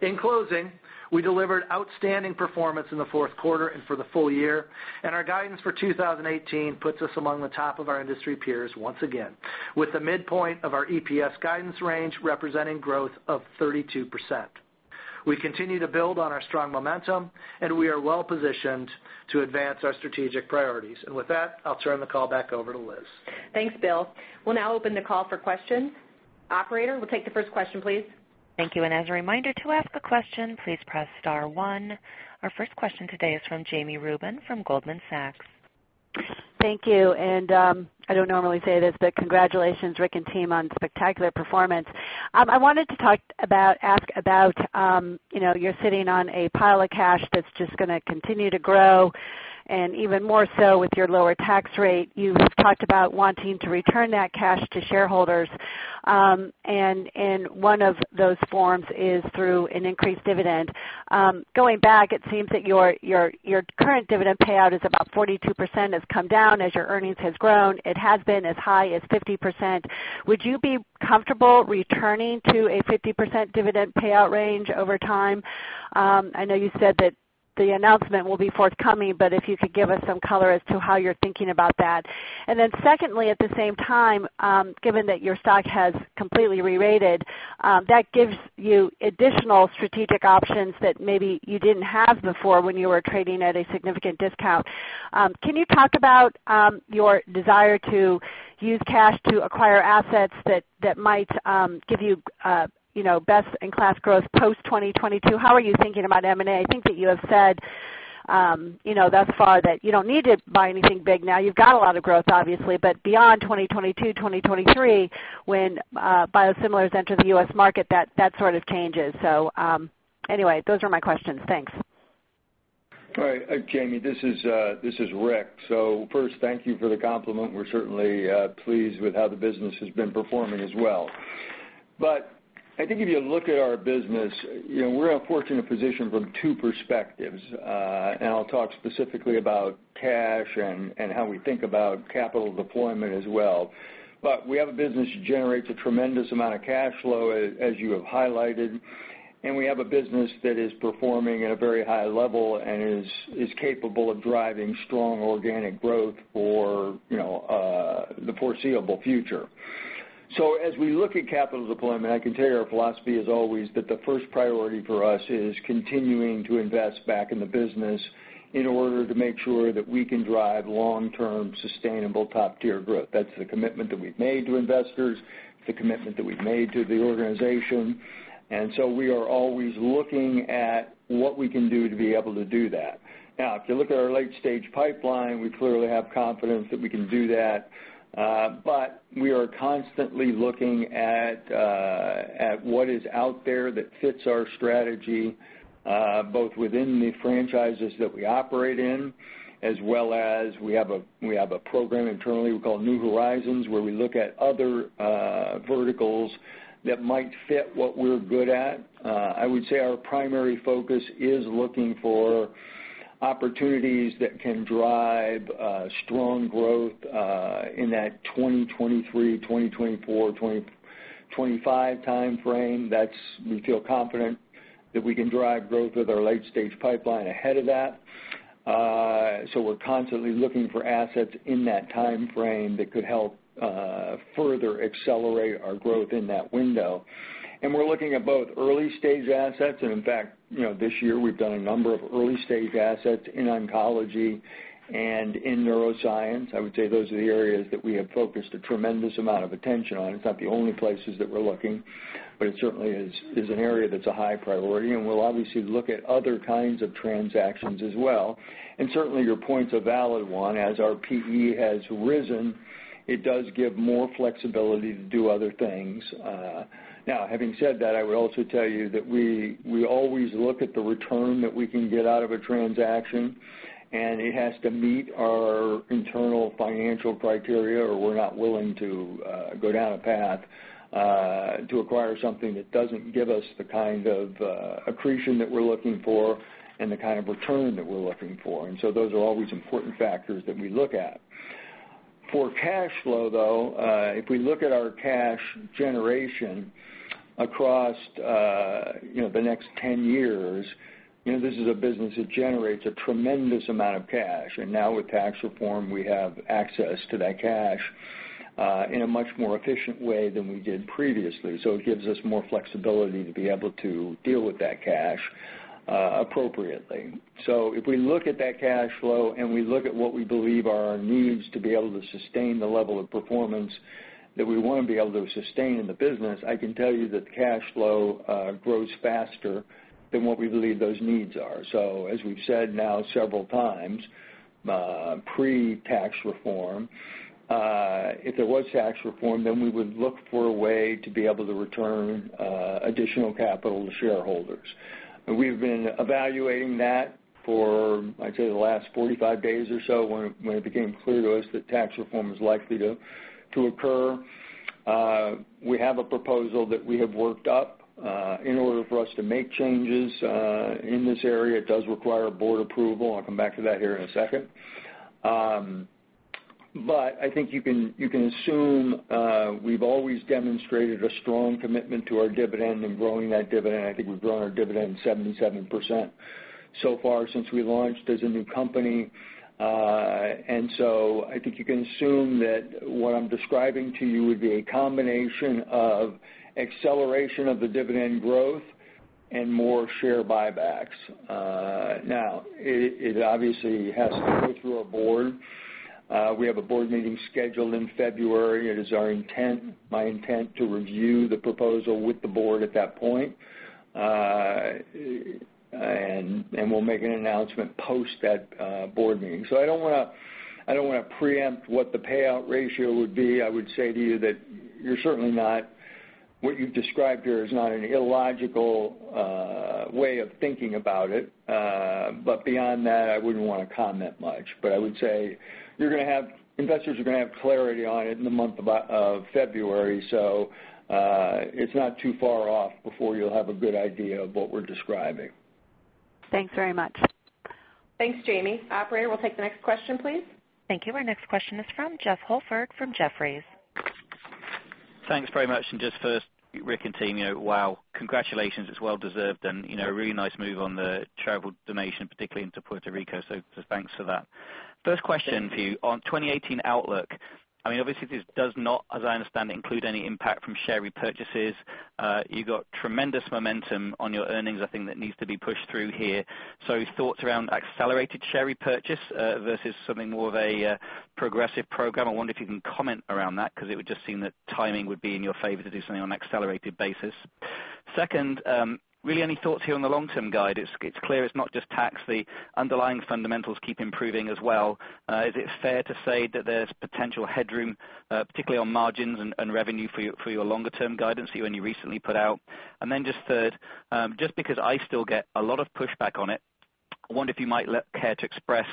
In closing, we delivered outstanding performance in the fourth quarter and for the full year, our guidance for 2018 puts us among the top of our industry peers once again, with the midpoint of our EPS guidance range representing growth of 32%. We continue to build on our strong momentum, and we are well-positioned to advance our strategic priorities. With that, I'll turn the call back over to Liz. Thanks, Bill. We'll now open the call for questions. Operator, we'll take the first question, please. Thank you. As a reminder, to ask a question, please press star 1. Our first question today is from Jami Rubin from Goldman Sachs. Thank you. I don't normally say this, but congratulations, Rick and team, on spectacular performance. I wanted to ask about, you're sitting on a pile of cash that's just going to continue to grow, and even more so with your lower tax rate. You've talked about wanting to return that cash to shareholders. One of those forms is through an increased dividend. Going back, it seems that your current dividend payout is about 42%, has come down as your earnings has grown. It has been as high as 50%. Would you be comfortable returning to a 50% dividend payout range over time? I know you said that the announcement will be forthcoming, if you could give us some color as to how you're thinking about that. Secondly, at the same time, given that your stock has completely re-rated, that gives you additional strategic options that maybe you didn't have before when you were trading at a significant discount. Can you talk about your desire to use cash to acquire assets that might give you best-in-class growth post 2022? How are you thinking about M&A? I think that you have said thus far that you don't need to buy anything big now. You've got a lot of growth, obviously. Beyond 2022, 2023, when biosimilars enter the U.S. market, that sort of changes. Anyway, those are my questions. Thanks. All right. Jami, this is Rick. First, thank you for the compliment. We're certainly pleased with how the business has been performing as well. I think if you look at our business, we're in a fortunate position from two perspectives. I'll talk specifically about cash and how we think about capital deployment as well. We have a business that generates a tremendous amount of cash flow, as you have highlighted, and we have a business that is performing at a very high level and is capable of driving strong organic growth for the foreseeable future. As we look at capital deployment, I can tell you our philosophy is always that the first priority for us is continuing to invest back in the business in order to make sure that we can drive long-term, sustainable, top-tier growth. That's the commitment that we've made to investors, the commitment that we've made to the organization. We are always looking at what we can do to be able to do that. Now, if you look at our late-stage pipeline, we clearly have confidence that we can do that. We are constantly looking at what is out there that fits our strategy, both within the franchises that we operate in, as well as we have a program internally we call New Horizons, where we look at other verticals that might fit what we're good at. I would say our primary focus is looking for opportunities that can drive strong growth in that 2023, 2024, 2025 timeframe. We feel confident that we can drive growth with our late-stage pipeline ahead of that. We're constantly looking for assets in that timeframe that could help further accelerate our growth in that window. We're looking at both early-stage assets, and in fact, this year we've done a number of early-stage assets in oncology and in neuroscience. I would say those are the areas that we have focused a tremendous amount of attention on. It's not the only places that we're looking, but it certainly is an area that's a high priority, and we'll obviously look at other kinds of transactions as well. Certainly, your point's a valid one. As our P/E has risen, it does give more flexibility to do other things. Now, having said that, I would also tell you that we always look at the return that we can get out of a transaction, and it has to meet our internal financial criteria, or we're not willing to go down a path to acquire something that doesn't give us the kind of accretion that we're looking for and the kind of return that we're looking for. Those are always important factors that we look at. For cash flow, though, if we look at our cash generation across the next 10 years, this is a business that generates a tremendous amount of cash. Now with tax reform, we have access to that cash in a much more efficient way than we did previously. It gives us more flexibility to be able to deal with that cash appropriately. If we look at that cash flow and we look at what we believe are our needs to be able to sustain the level of performance that we want to be able to sustain in the business, I can tell you that the cash flow grows faster than what we believe those needs are. As we've said now several times, pre-tax reform, if there was tax reform, then we would look for a way to be able to return additional capital to shareholders. We've been evaluating that for, I'd say, the last 45 days or so when it became clear to us that tax reform is likely to occur. We have a proposal that we have worked up in order for us to make changes in this area. It does require board approval. I'll come back to that here in a second. I think you can assume we've always demonstrated a strong commitment to our dividend and growing that dividend. I think we've grown our dividend 77%. So far since we launched as a new company. I think you can assume that what I'm describing to you would be a combination of acceleration of the dividend growth and more share buybacks. Now, it obviously has to go through our board. We have a board meeting scheduled in February. It is my intent to review the proposal with the board at that point, and we'll make an announcement post that board meeting. I don't want to preempt what the payout ratio would be. I would say to you that what you've described here is not an illogical way of thinking about it. Beyond that, I wouldn't want to comment much. I would say investors are going to have clarity on it in the month of February. It's not too far off before you'll have a good idea of what we're describing. Thanks very much. Thanks, Jami. Operator, we'll take the next question, please. Thank you. Our next question is from Jeff Holford from Jefferies. Thanks very much. Just first, Rick and team, wow. Congratulations. It's well deserved and a really nice move on the charitable donation, particularly into Puerto Rico. Just thanks for that. First question to you. On 2018 outlook, obviously this does not, as I understand it, include any impact from share repurchases. You got tremendous momentum on your earnings, I think that needs to be pushed through here. Thoughts around accelerated share repurchase versus something more of a progressive program. I wonder if you can comment around that because it would just seem that timing would be in your favor to do something on an accelerated basis. Second, really any thoughts here on the long-term guide? It's clear it's not just tax. The underlying fundamentals keep improving as well. Is it fair to say that there's potential headroom, particularly on margins and revenue for your longer-term guidance that you only recently put out? Then just third, just because I still get a lot of pushback on it, I wonder if you might care to express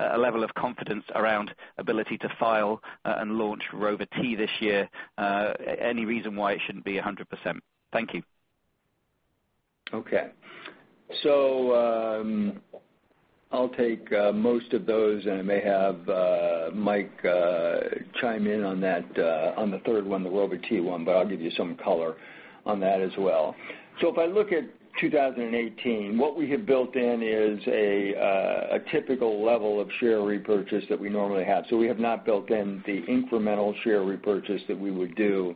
a level of confidence around ability to file and launch Rova-T this year. Any reason why it shouldn't be 100%? Thank you. Okay. I'll take most of those, I may have Mike chime in on the third one, the Rova-T one, but I'll give you some color on that as well. If I look at 2018, what we have built in is a typical level of share repurchase that we normally have. We have not built in the incremental share repurchase that we would do.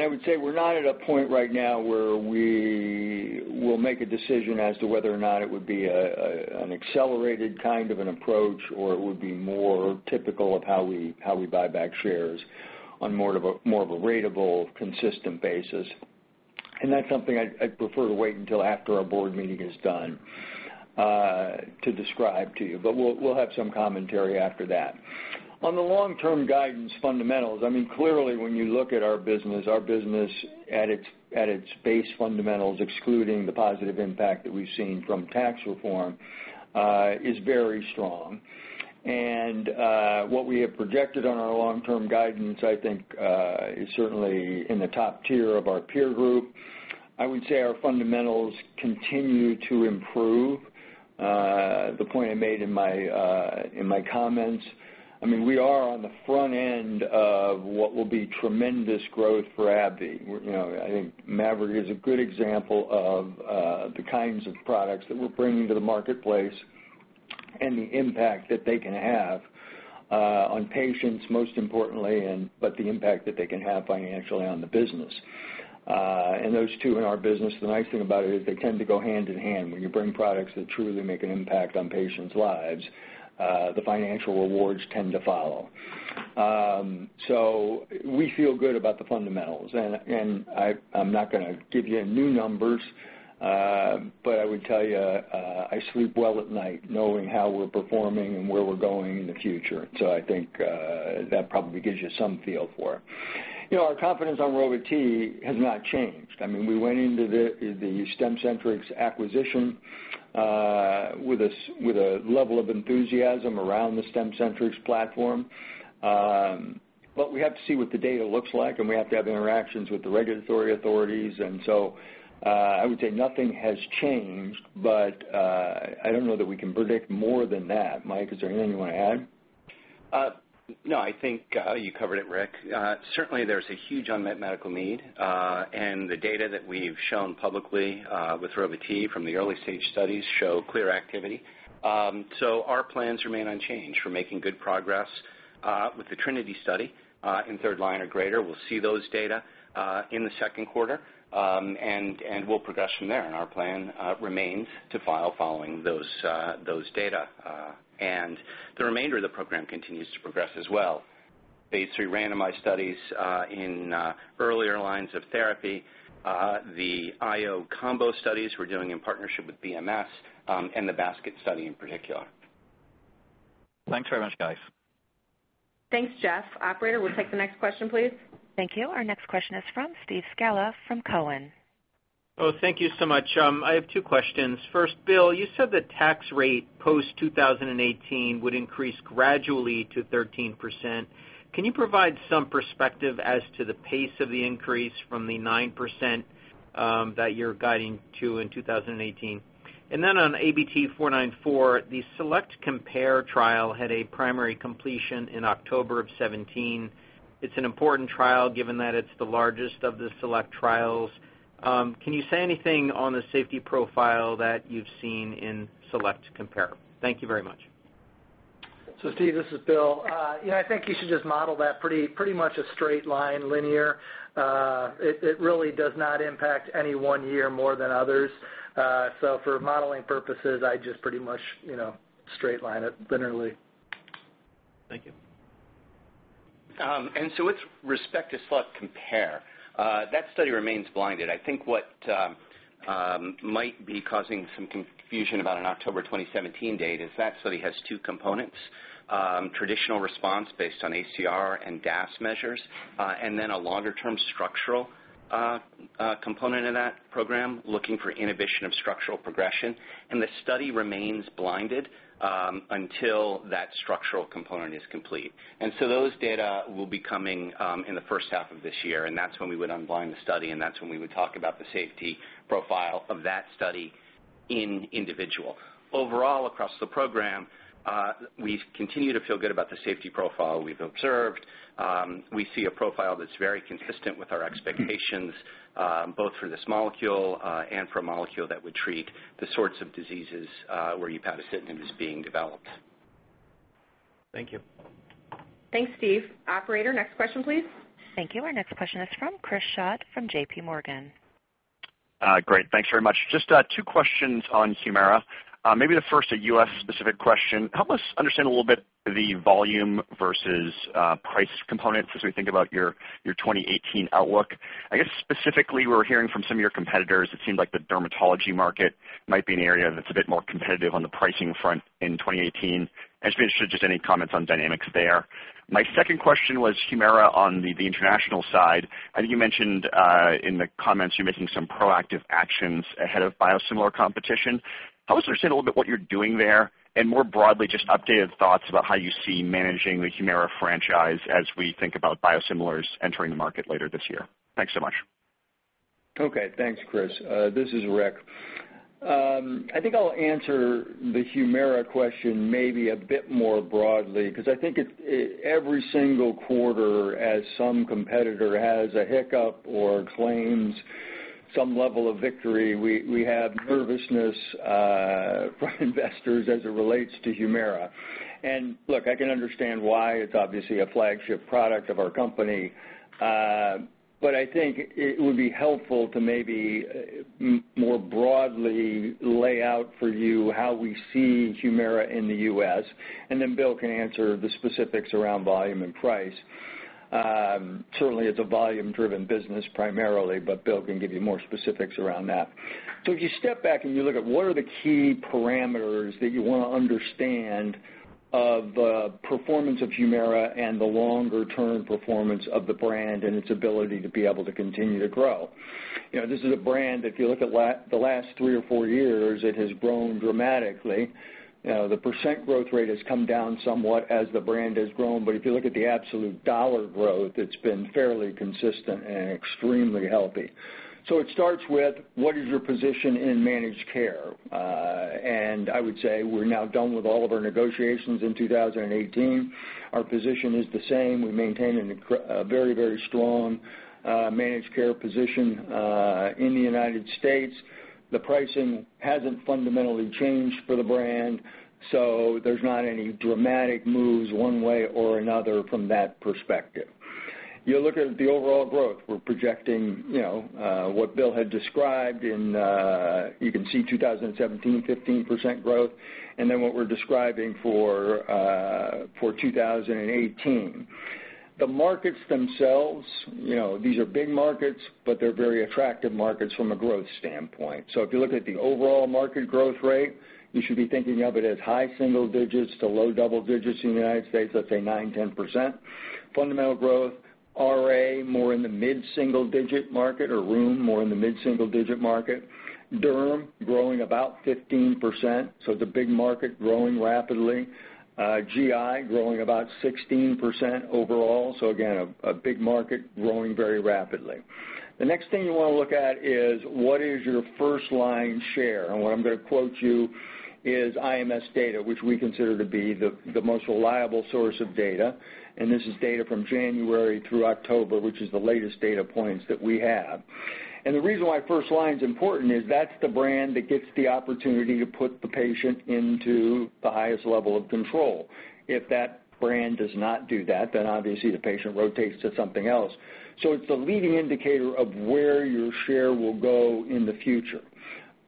I would say we're not at a point right now where we will make a decision as to whether or not it would be an accelerated kind of an approach, or it would be more typical of how we buy back shares on more of a ratable, consistent basis. That's something I'd prefer to wait until after our board meeting is done to describe to you, but we'll have some commentary after that. On the long-term guidance fundamentals, clearly when you look at our business, our business at its base fundamentals, excluding the positive impact that we've seen from tax reform, is very strong. What we have projected on our long-term guidance, I think is certainly in the top tier of our peer group. I would say our fundamentals continue to improve. The point I made in my comments, we are on the front end of what will be tremendous growth for AbbVie. I think Mavyret is a good example of the kinds of products that we're bringing to the marketplace and the impact that they can have on patients, most importantly, but the impact that they can have financially on the business. Those two in our business, the nice thing about it is they tend to go hand in hand. When you bring products that truly make an impact on patients' lives, the financial rewards tend to follow. We feel good about the fundamentals, and I'm not going to give you new numbers, but I would tell you I sleep well at night knowing how we're performing and where we're going in the future. I think that probably gives you some feel for it. Our confidence on Rova-T has not changed. We went into the Stemcentrx acquisition with a level of enthusiasm around the Stemcentrx platform. We have to see what the data looks like, and we have to have interactions with the regulatory authorities. I would say nothing has changed, but I don't know that we can predict more than that. Mike, is there anything you want to add? No, I think you covered it, Rick. Certainly, there's a huge unmet medical need. The data that we've shown publicly with Rova-T from the early-stage studies show clear activity. Our plans remain unchanged for making good progress with the TRINITY study in third line or greater. We'll see those data in the second quarter, and we'll progress from there. Our plan remains to file following those data. The remainder of the program continues to progress as well. Phase III randomized studies in earlier lines of therapy, the IO combo studies we're doing in partnership with BMS, and the BASKET study in particular. Thanks very much, guys. Thanks, Jeff. Operator, we'll take the next question, please. Thank you. Our next question is from Steve Scala from Cowen. Oh, thank you so much. I have two questions. First, Bill, you said the tax rate post 2018 would increase gradually to 13%. Can you provide some perspective as to the pace of the increase from the 9% that you're guiding to in 2018? Then on ABT-494, the SELECT-COMPARE trial had a primary completion in October of 2017. It's an important trial given that it's the largest of the SELECT trials. Can you say anything on the safety profile that you've seen in SELECT-COMPARE? Thank you very much. Steve, this is Bill. I think you should just model that pretty much a straight line linear. It really does not impact any one year more than others. For modeling purposes, I'd just pretty much straight line it linearly. Thank you. With respect to SELECT-COMPARE, that study remains blinded. I think what might be causing some confusion about an October 2017 date is that study has two components, traditional response based on ACR and DAS measures, and then a longer-term structural component of that program looking for inhibition of structural progression, and the study remains blinded until that structural component is complete. Those data will be coming in the first half of this year, and that's when we would unblind the study, and that's when we would talk about the safety profile of that study in individual. Overall, across the program, we've continued to feel good about the safety profile we've observed. We see a profile that's very consistent with our expectations, both for this molecule, and for a molecule that would treat the sorts of diseases where upadacitinib is being developed. Thank you. Thanks, Steve. Operator, next question, please. Thank you. Our next question is from Chris Schott from J.P. Morgan. Great. Thanks very much. Just two questions on HUMIRA. The first a U.S.-specific question. Help us understand a little bit the volume versus price components as we think about your 2018 outlook. Specifically, we're hearing from some of your competitors, it seems like the dermatology market might be an area that's a bit more competitive on the pricing front in 2018. I was interested, just any comments on dynamics there. My second question was HUMIRA on the international side. You mentioned in the comments you're making some proactive actions ahead of biosimilar competition. Help us understand a little bit what you're doing there, more broadly, just updated thoughts about how you see managing the HUMIRA franchise as we think about biosimilars entering the market later this year. Thanks so much. Okay, thanks, Chris Schott. This is Rick Gonzalez. I'll answer the HUMIRA question maybe a bit more broadly, because I think every single quarter as some competitor has a hiccup or claims some level of victory, we have nervousness from investors as it relates to HUMIRA. Look, I can understand why it's obviously a flagship product of our company. I think it would be helpful to maybe more broadly lay out for you how we see HUMIRA in the U.S., Bill Chase can answer the specifics around volume and price. Certainly, it's a volume-driven business primarily, Bill Chase can give you more specifics around that. If you step back and you look at what are the key parameters that you want to understand of performance of HUMIRA and the longer-term performance of the brand and its ability to be able to continue to grow. This is a brand, if you look at the last three or four years, it has grown dramatically. The % growth rate has come down somewhat as the brand has grown, if you look at the absolute dollar growth, it's been fairly consistent and extremely healthy. It starts with what is your position in managed care? I would say we're now done with all of our negotiations in 2018. Our position is the same. We maintain a very strong managed care position, in the U.S. The pricing hasn't fundamentally changed for the brand, there's not any dramatic moves one way or another from that perspective. You look at the overall growth, we're projecting what Bill Chase had described in, you can see 2017, 15% growth, what we're describing for 2018. The markets themselves, these are big markets, they're very attractive markets from a growth standpoint. If you look at the overall market growth rate, you should be thinking of it as high single digits to low double digits in the U.S., let's say nine, 10%. Fundamental growth, RA more in the mid-single digit market or rheum more in the mid-single digit market. Derm growing about 15%, it's a big market growing rapidly. GI growing about 16% overall. Again, a big market growing very rapidly. The next thing you want to look at is what is your first-line share? What I'm going to quote you is IMS data, which we consider to be the most reliable source of data, this is data from January through October, which is the latest data points that we have. The reason why first line's important is that's the brand that gets the opportunity to put the patient into the highest level of control. If that brand does not do that, then obviously the patient rotates to something else. It's a leading indicator of where your share will go in the future.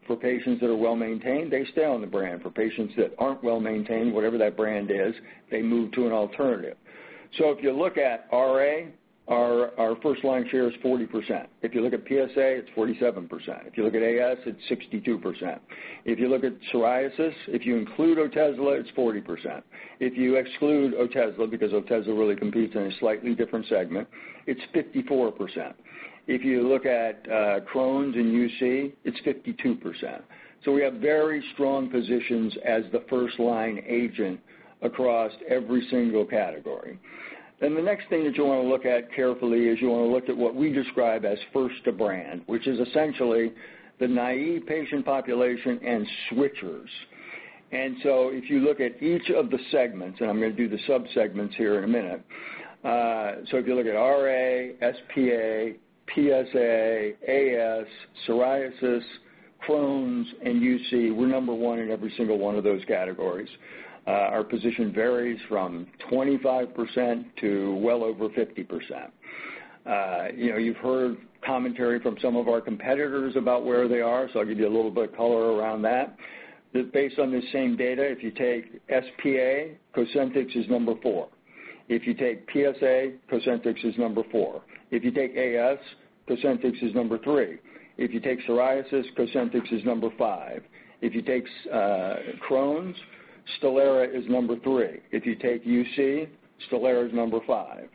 For patients that are well-maintained, they stay on the brand. For patients that aren't well-maintained, whatever that brand is, they move to an alternative. If you look at RA, our first-line share is 40%. If you look at PSA, it's 47%. If you look at AS, it's 62%. If you look at psoriasis, if you include Otezla, it's 40%. If you exclude Otezla, because Otezla really competes in a slightly different segment, it's 54%. If you look at Crohn's and UC, it's 52%. We have very strong positions as the first-line agent across every single category. The next thing that you'll want to look at carefully is you'll want to look at what we describe as first to brand, which is essentially the naive patient population and switchers. If you look at each of the segments, and I'm going to do the subsegments here in a minute. If you look at RA, SPA, PSA, AS, psoriasis Crohn's and UC, we're number one in every single one of those categories. Our position varies from 25% to well over 50%. You've heard commentary from some of our competitors about where they are, I'll give you a little bit of color around that. Based on the same data, if you take SPA, COSENTYX is number four. If you take PSA, COSENTYX is number four. If you take AS, COSENTYX is number three. If you take psoriasis, COSENTYX is number five. If you take Crohn's, STELARA is number three. If you take UC, STELARA is number five.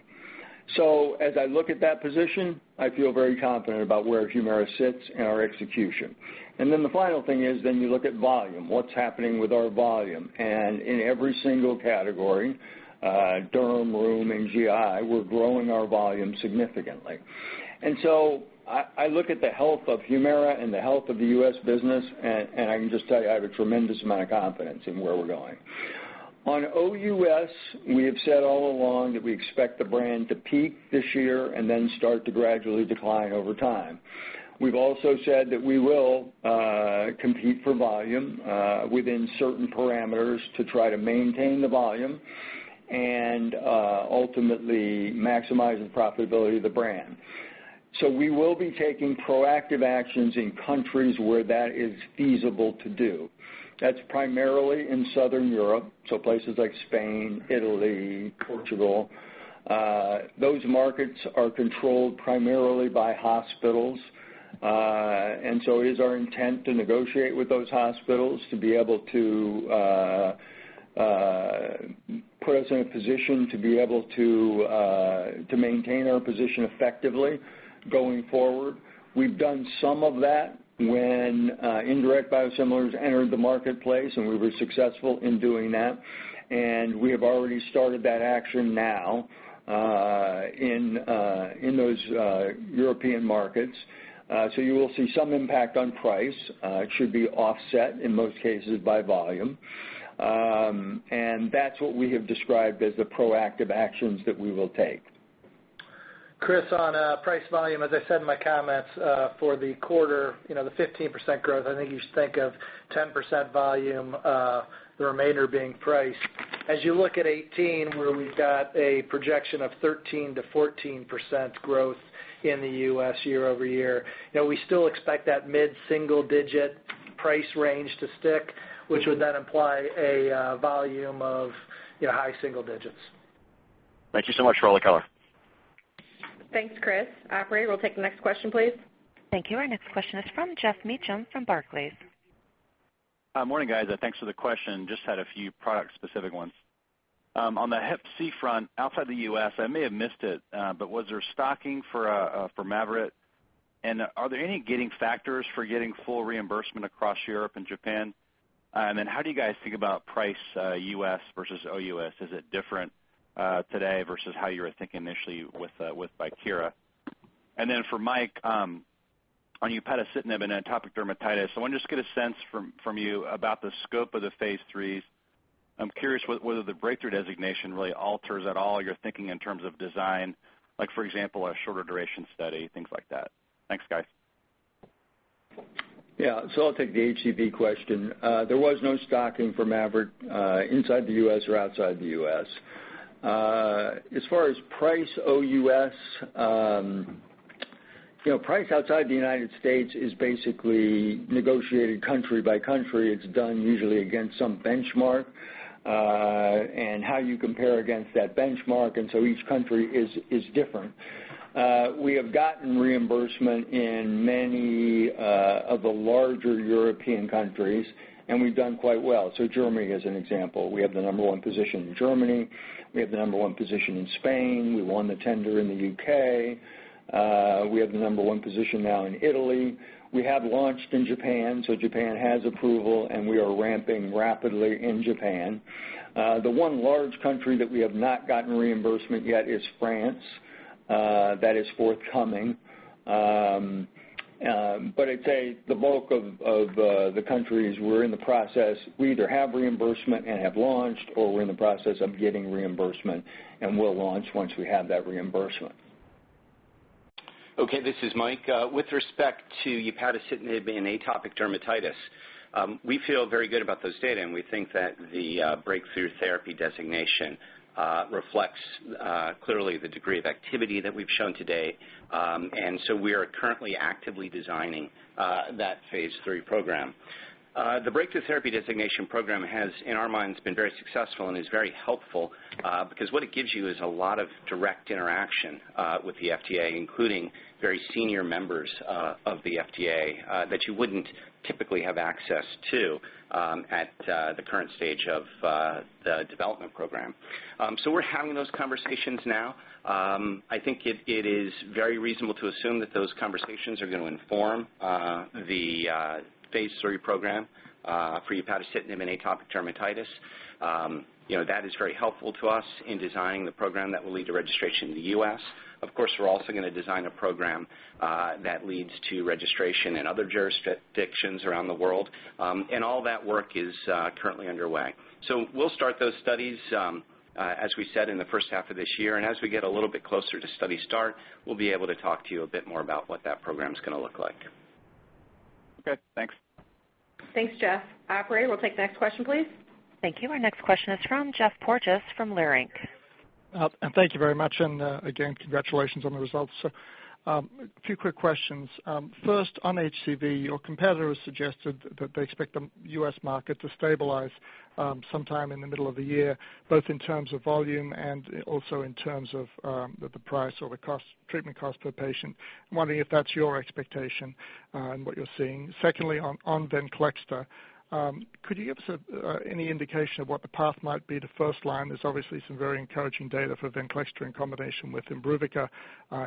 As I look at that position, I feel very confident about where HUMIRA sits and our execution. The final thing is you look at volume, what's happening with our volume. In every single category, derm, rheum, and GI, we're growing our volume significantly. I look at the health of HUMIRA and the health of the U.S. business, and I can just tell you, I have a tremendous amount of confidence in where we're going. On OUS, we have said all along that we expect the brand to peak this year and then start to gradually decline over time. We've also said that we will compete for volume within certain parameters to try to maintain the volume and ultimately maximize the profitability of the brand. We will be taking proactive actions in countries where that is feasible to do. That's primarily in Southern Europe, places like Spain, Italy, Portugal. Those markets are controlled primarily by hospitals, it is our intent to negotiate with those hospitals to be able to put us in a position to be able to maintain our position effectively going forward. We've done some of that when indirect biosimilars entered the marketplace, and we were successful in doing that. We have already started that action now in those European markets. You will see some impact on price. It should be offset, in most cases, by volume. That's what we have described as the proactive actions that we will take. Chris, on price volume, as I said in my comments for the quarter, the 15% growth, I think you should think of 10% volume, the remainder being price. As you look at 2018, where we've got a projection of 13%-14% growth in the U.S. year-over-year, we still expect that mid-single-digit price range to stick, which would imply a volume of high single digits. Thank you so much for all the color. Thanks, Chris. Operator, we'll take the next question, please. Thank you. Our next question is from Geoff Meacham from Barclays. Morning, guys. Thanks for the question. Just had a few product-specific ones. On the HCV front, outside the U.S., I may have missed it, was there stocking for MAVYRET? Are there any gating factors for getting full reimbursement across Europe and Japan? How do you guys think about price U.S. versus OUS? Is it different today versus how you were thinking initially with VIEKIRA? For Mike, on upadacitinib and atopic dermatitis, I want to just get a sense from you about the scope of the phase III. I'm curious whether the breakthrough designation really alters at all your thinking in terms of design, like for example, a shorter duration study, things like that. Thanks, guys. Yeah. I'll take the HCV question. There was no stocking for MAVYRET inside the U.S. or outside the U.S. As far as price OUS, price outside the United States is basically negotiated country by country. It's done usually against some benchmark, and how you compare against that benchmark, each country is different. We have gotten reimbursement in many of the larger European countries, and we've done quite well. Germany, as an example. We have the number one position in Germany. We have the number one position in Spain. We won the tender in the U.K. We have the number one position now in Italy. We have launched in Japan, so Japan has approval, and we are ramping rapidly in Japan. The one large country that we have not gotten reimbursement yet is France. That is forthcoming. I'd say the bulk of the countries we're in the process, we either have reimbursement and have launched, or we're in the process of getting reimbursement, and we'll launch once we have that reimbursement. Okay, this is Mike. With respect to upadacitinib in atopic dermatitis, we feel very good about those data, and we think that the breakthrough therapy designation reflects clearly the degree of activity that we've shown to date. We are currently actively designing that phase III program. The breakthrough therapy designation program has, in our minds, been very successful and is very helpful, because what it gives you is a lot of direct interaction with the FDA, including very senior members of the FDA that you wouldn't typically have access to at the current stage of the development program. We're having those conversations now. I think it is very reasonable to assume that those conversations are going to inform the phase III program for upadacitinib in atopic dermatitis. That is very helpful to us in designing the program that will lead to registration in the U.S. Of course, we're also going to design a program that leads to registration in other jurisdictions around the world. All that work is currently underway. We'll start those studies, as we said, in the first half of this year. As we get a little bit closer to study start, we'll be able to talk to you a bit more about what that program's going to look like. Okay, thanks. Thanks, Geoff. Operator, we'll take the next question, please. Thank you. Our next question is from Jeff Porges from Leerink. Thank you very much. Again, congratulations on the results. A few quick questions. First, on HCV, your competitor has suggested that they expect the U.S. market to stabilize sometime in the middle of the year, both in terms of volume and also in terms of the price or the treatment cost per patient. I'm wondering if that's your expectation and what you're seeing. Secondly, on VENCLEXTA, could you give us any indication of what the path might be to first line? There's obviously some very encouraging data for VENCLEXTA in combination with IMBRUVICA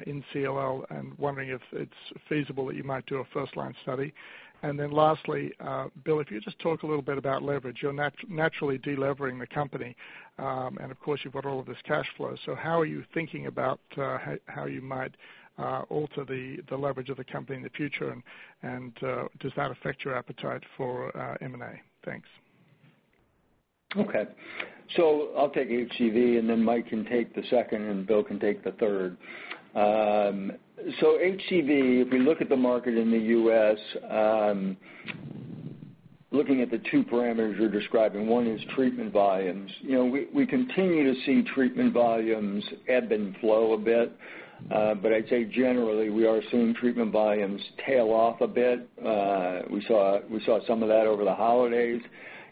in CLL, wondering if it's feasible that you might do a first-line study. Lastly, Bill, if you just talk a little bit about leverage. You're naturally de-levering the company, and of course, you've got all of this cash flow. How are you thinking about how you might alter the leverage of the company in the future, and does that affect your appetite for M&A? Thanks. Okay. I'll take HCV, then Michael can take the second, Bill can take the third. HCV, if we look at the market in the U.S., looking at the two parameters you're describing, one is treatment volumes. We continue to see treatment volumes ebb and flow a bit, but I'd say generally, we are seeing treatment volumes tail off a bit. We saw some of that over the holidays.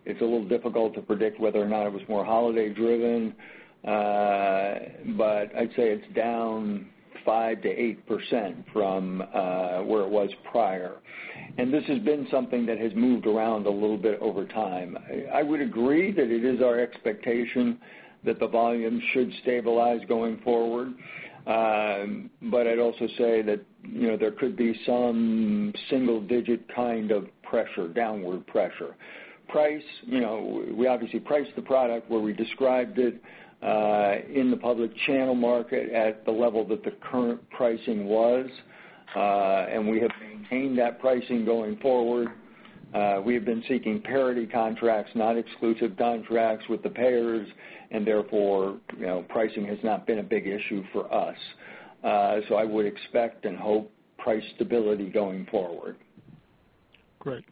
It's a little difficult to predict whether or not it was more holiday driven, but I'd say it's down 5%-8% from where it was prior. This has been something that has moved around a little bit over time. I would agree that it is our expectation that the volume should stabilize going forward, but I'd also say that there could be some single-digit kind of pressure, downward pressure. Price, we obviously priced the product where we described it in the public channel market at the level that the current pricing was. We have maintained that pricing going forward. We have been seeking parity contracts, not exclusive contracts with the payers, therefore, pricing has not been a big issue for us. I would expect and hope price stability going forward. Great.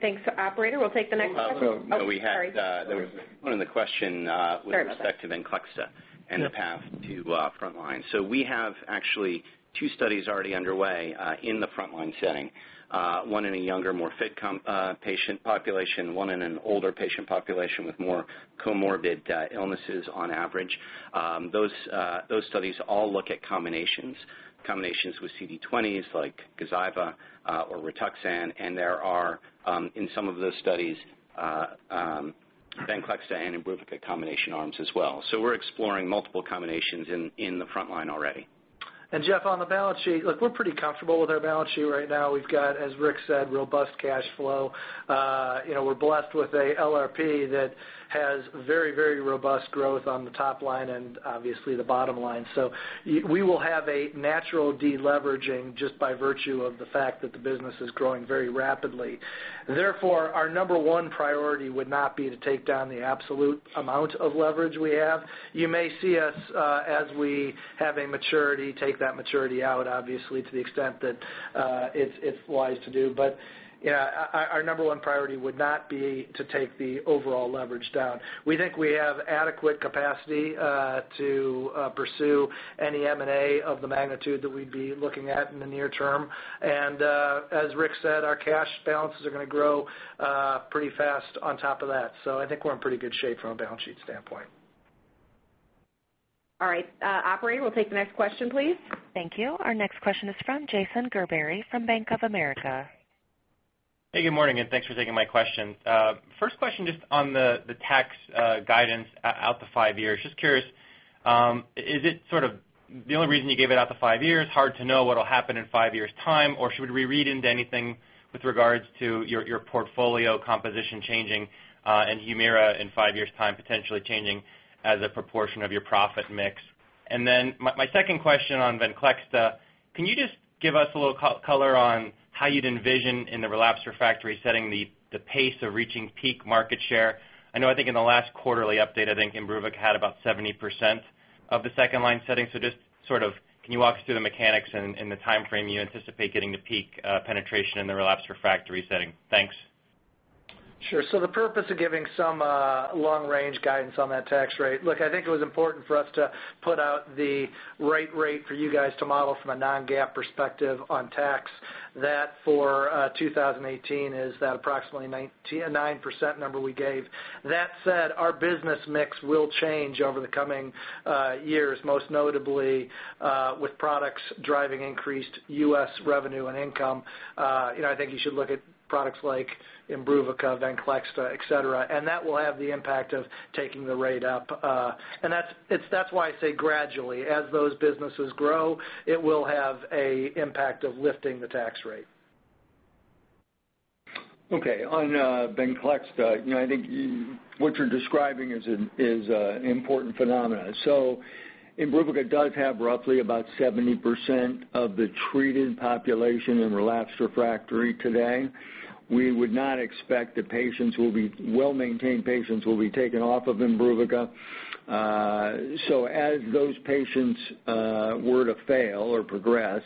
Thanks. Operator, we'll take the next question. Oh, sorry. We had one other question. Sorry about that. With respect to VENCLEXTA and the path to frontline. We have actually two studies already underway in the frontline setting, one in a younger, more fit patient population, one in an older patient population with more comorbid illnesses on average. Those studies all look at combinations with CD20s like GAZYVA or RITUXAN, and there are, in some of those studies, VENCLEXTA and IMBRUVICA combination arms as well. We're exploring multiple combinations in the frontline already. Geoff, on the balance sheet, look, we're pretty comfortable with our balance sheet right now. We've got, as Rick said, robust cash flow. We're blessed with a LRP that has very robust growth on the top line and obviously the bottom line. We will have a natural de-leveraging just by virtue of the fact that the business is growing very rapidly. Therefore, our number 1 priority would not be to take down the absolute amount of leverage we have. You may see us as we have a maturity, take that maturity out, obviously to the extent that it's wise to do. Our number 1 priority would not be to take the overall leverage down. We think we have adequate capacity to pursue any M&A of the magnitude that we'd be looking at in the near term. As Rick said, our cash balances are going to grow pretty fast on top of that. I think we're in pretty good shape from a balance sheet standpoint. All right. Operator, we'll take the next question, please. Thank you. Our next question is from Jason Gerberry from Bank of America. Hey, good morning, and thanks for taking my question. First question on the tax guidance out to five years. Is it the only reason you gave it out to five years, hard to know what will happen in five years' time? Or should we read into anything with regards to your portfolio composition changing, and HUMIRA in five years' time potentially changing as a proportion of your profit mix? My second question on VENCLEXTA, can you give us a little color on how you'd envision in the relapsed/refractory setting the pace of reaching peak market share? I know, I think in the last quarterly update, I think IMBRUVICA had about 70% of the second-line setting. Can you walk us through the mechanics and the timeframe you anticipate getting to peak penetration in the relapsed/refractory setting? Thanks. Sure. The purpose of giving some long-range guidance on that tax rate, look, I think it was important for us to put out the right rate for you guys to model from a non-GAAP perspective on tax. That for 2018 is that approximately 9% number we gave. That said, our business mix will change over the coming years, most notably with products driving increased U.S. revenue and income. I think you should look at products like IMBRUVICA, VENCLEXTA, et cetera, and that will have the impact of taking the rate up. That's why I say gradually. As those businesses grow, it will have an impact of lifting the tax rate. Okay. On VENCLEXTA, I think what you're describing is an important phenomenon. IMBRUVICA does have roughly about 70% of the treated population in relapsed/refractory today. We would not expect that well-maintained patients will be taken off of IMBRUVICA. As those patients were to fail or progress,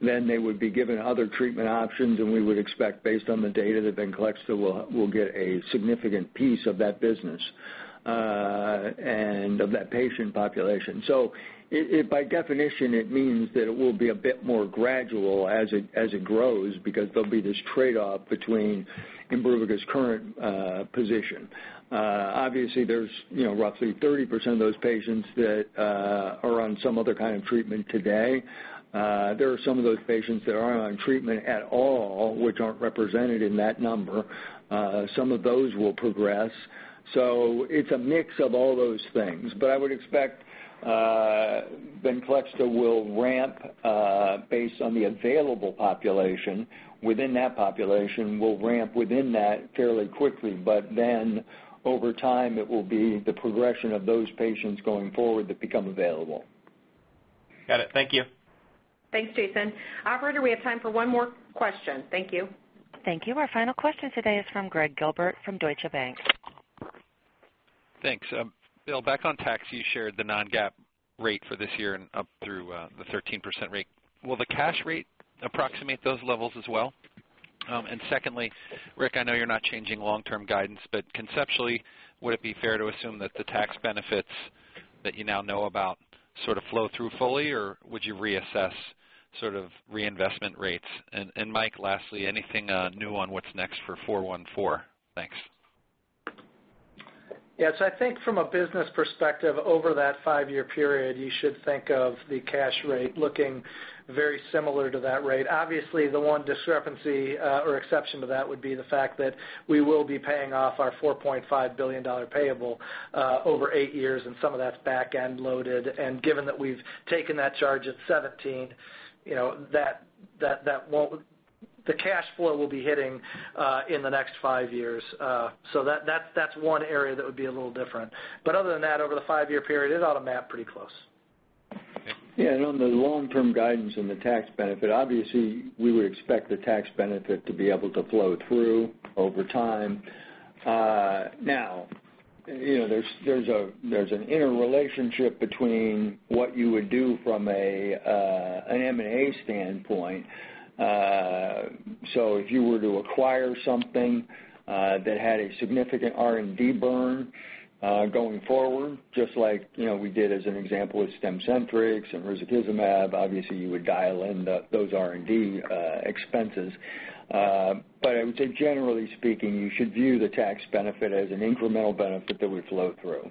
they would be given other treatment options, and we would expect based on the data that VENCLEXTA will get a significant piece of that business and of that patient population. By definition, it means that it will be a bit more gradual as it grows because there will be this trade-off between IMBRUVICA's current position. Obviously, there is roughly 30% of those patients that are on some other kind of treatment today. There are some of those patients that aren't on treatment at all, which aren't represented in that number. Some of those will progress. It's a mix of all those things. I would expect VENCLEXTA will ramp based on the available population, within that population, will ramp within that fairly quickly. Over time, it will be the progression of those patients going forward that become available. Got it. Thank you. Thanks, Jason. Operator, we have time for one more question. Thank you. Thank you. Our final question today is from Gregg Gilbert from Deutsche Bank. Thanks. Bill, back on tax, you shared the non-GAAP rate for this year and up through the 13% rate. Will the cash rate approximate those levels as well? Secondly, Rick, I know you're not changing long-term guidance, but conceptually, would it be fair to assume that the tax benefits that you now know about sort of flow through fully or would you reassess sort of reinvestment rates? Mike, lastly, anything new on what's next for ABT-414? Thanks. Yes, I think from a business perspective, over that 5-year period, you should think of the cash rate looking very similar to that rate. Obviously, the one discrepancy or exception to that would be the fact that we will be paying off our $4.5 billion payable over 8 years, and some of that's back-end loaded. Given that we've taken that charge at 2017, the cash flow will be hitting in the next 5 years. That's one area that would be a little different. Other than that, over the 5-year period, it ought to map pretty close. On the long-term guidance and the tax benefit, obviously, we would expect the tax benefit to be able to flow through over time. Now, there's an interrelationship between what you would do from an M&A standpoint. If you were to acquire something that had a significant R&D burn going forward, just like we did as an example with Stemcentrx and risankizumab, obviously you would dial in those R&D expenses. I would say generally speaking, you should view the tax benefit as an incremental benefit that would flow through.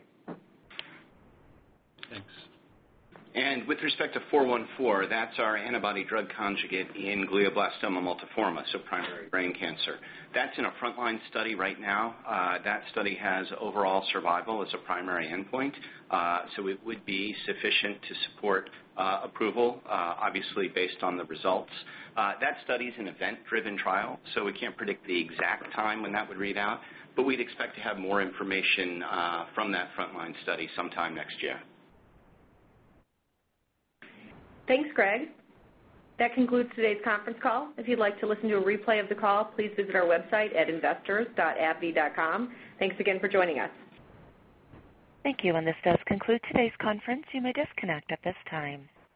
Thanks. With respect to ABT-414, that's our antibody-drug conjugate in glioblastoma multiforme, so primary brain cancer. That's in a frontline study right now. That study has overall survival as a primary endpoint. It would be sufficient to support approval, obviously based on the results. That study is an event-driven trial, we can't predict the exact time when that would read out, but we'd expect to have more information from that frontline study sometime next year. Thanks, Gregg. That concludes today's conference call. If you'd like to listen to a replay of the call, please visit our website at investors.abbvie.com. Thanks again for joining us. Thank you, and this does conclude today's conference. You may disconnect at this time.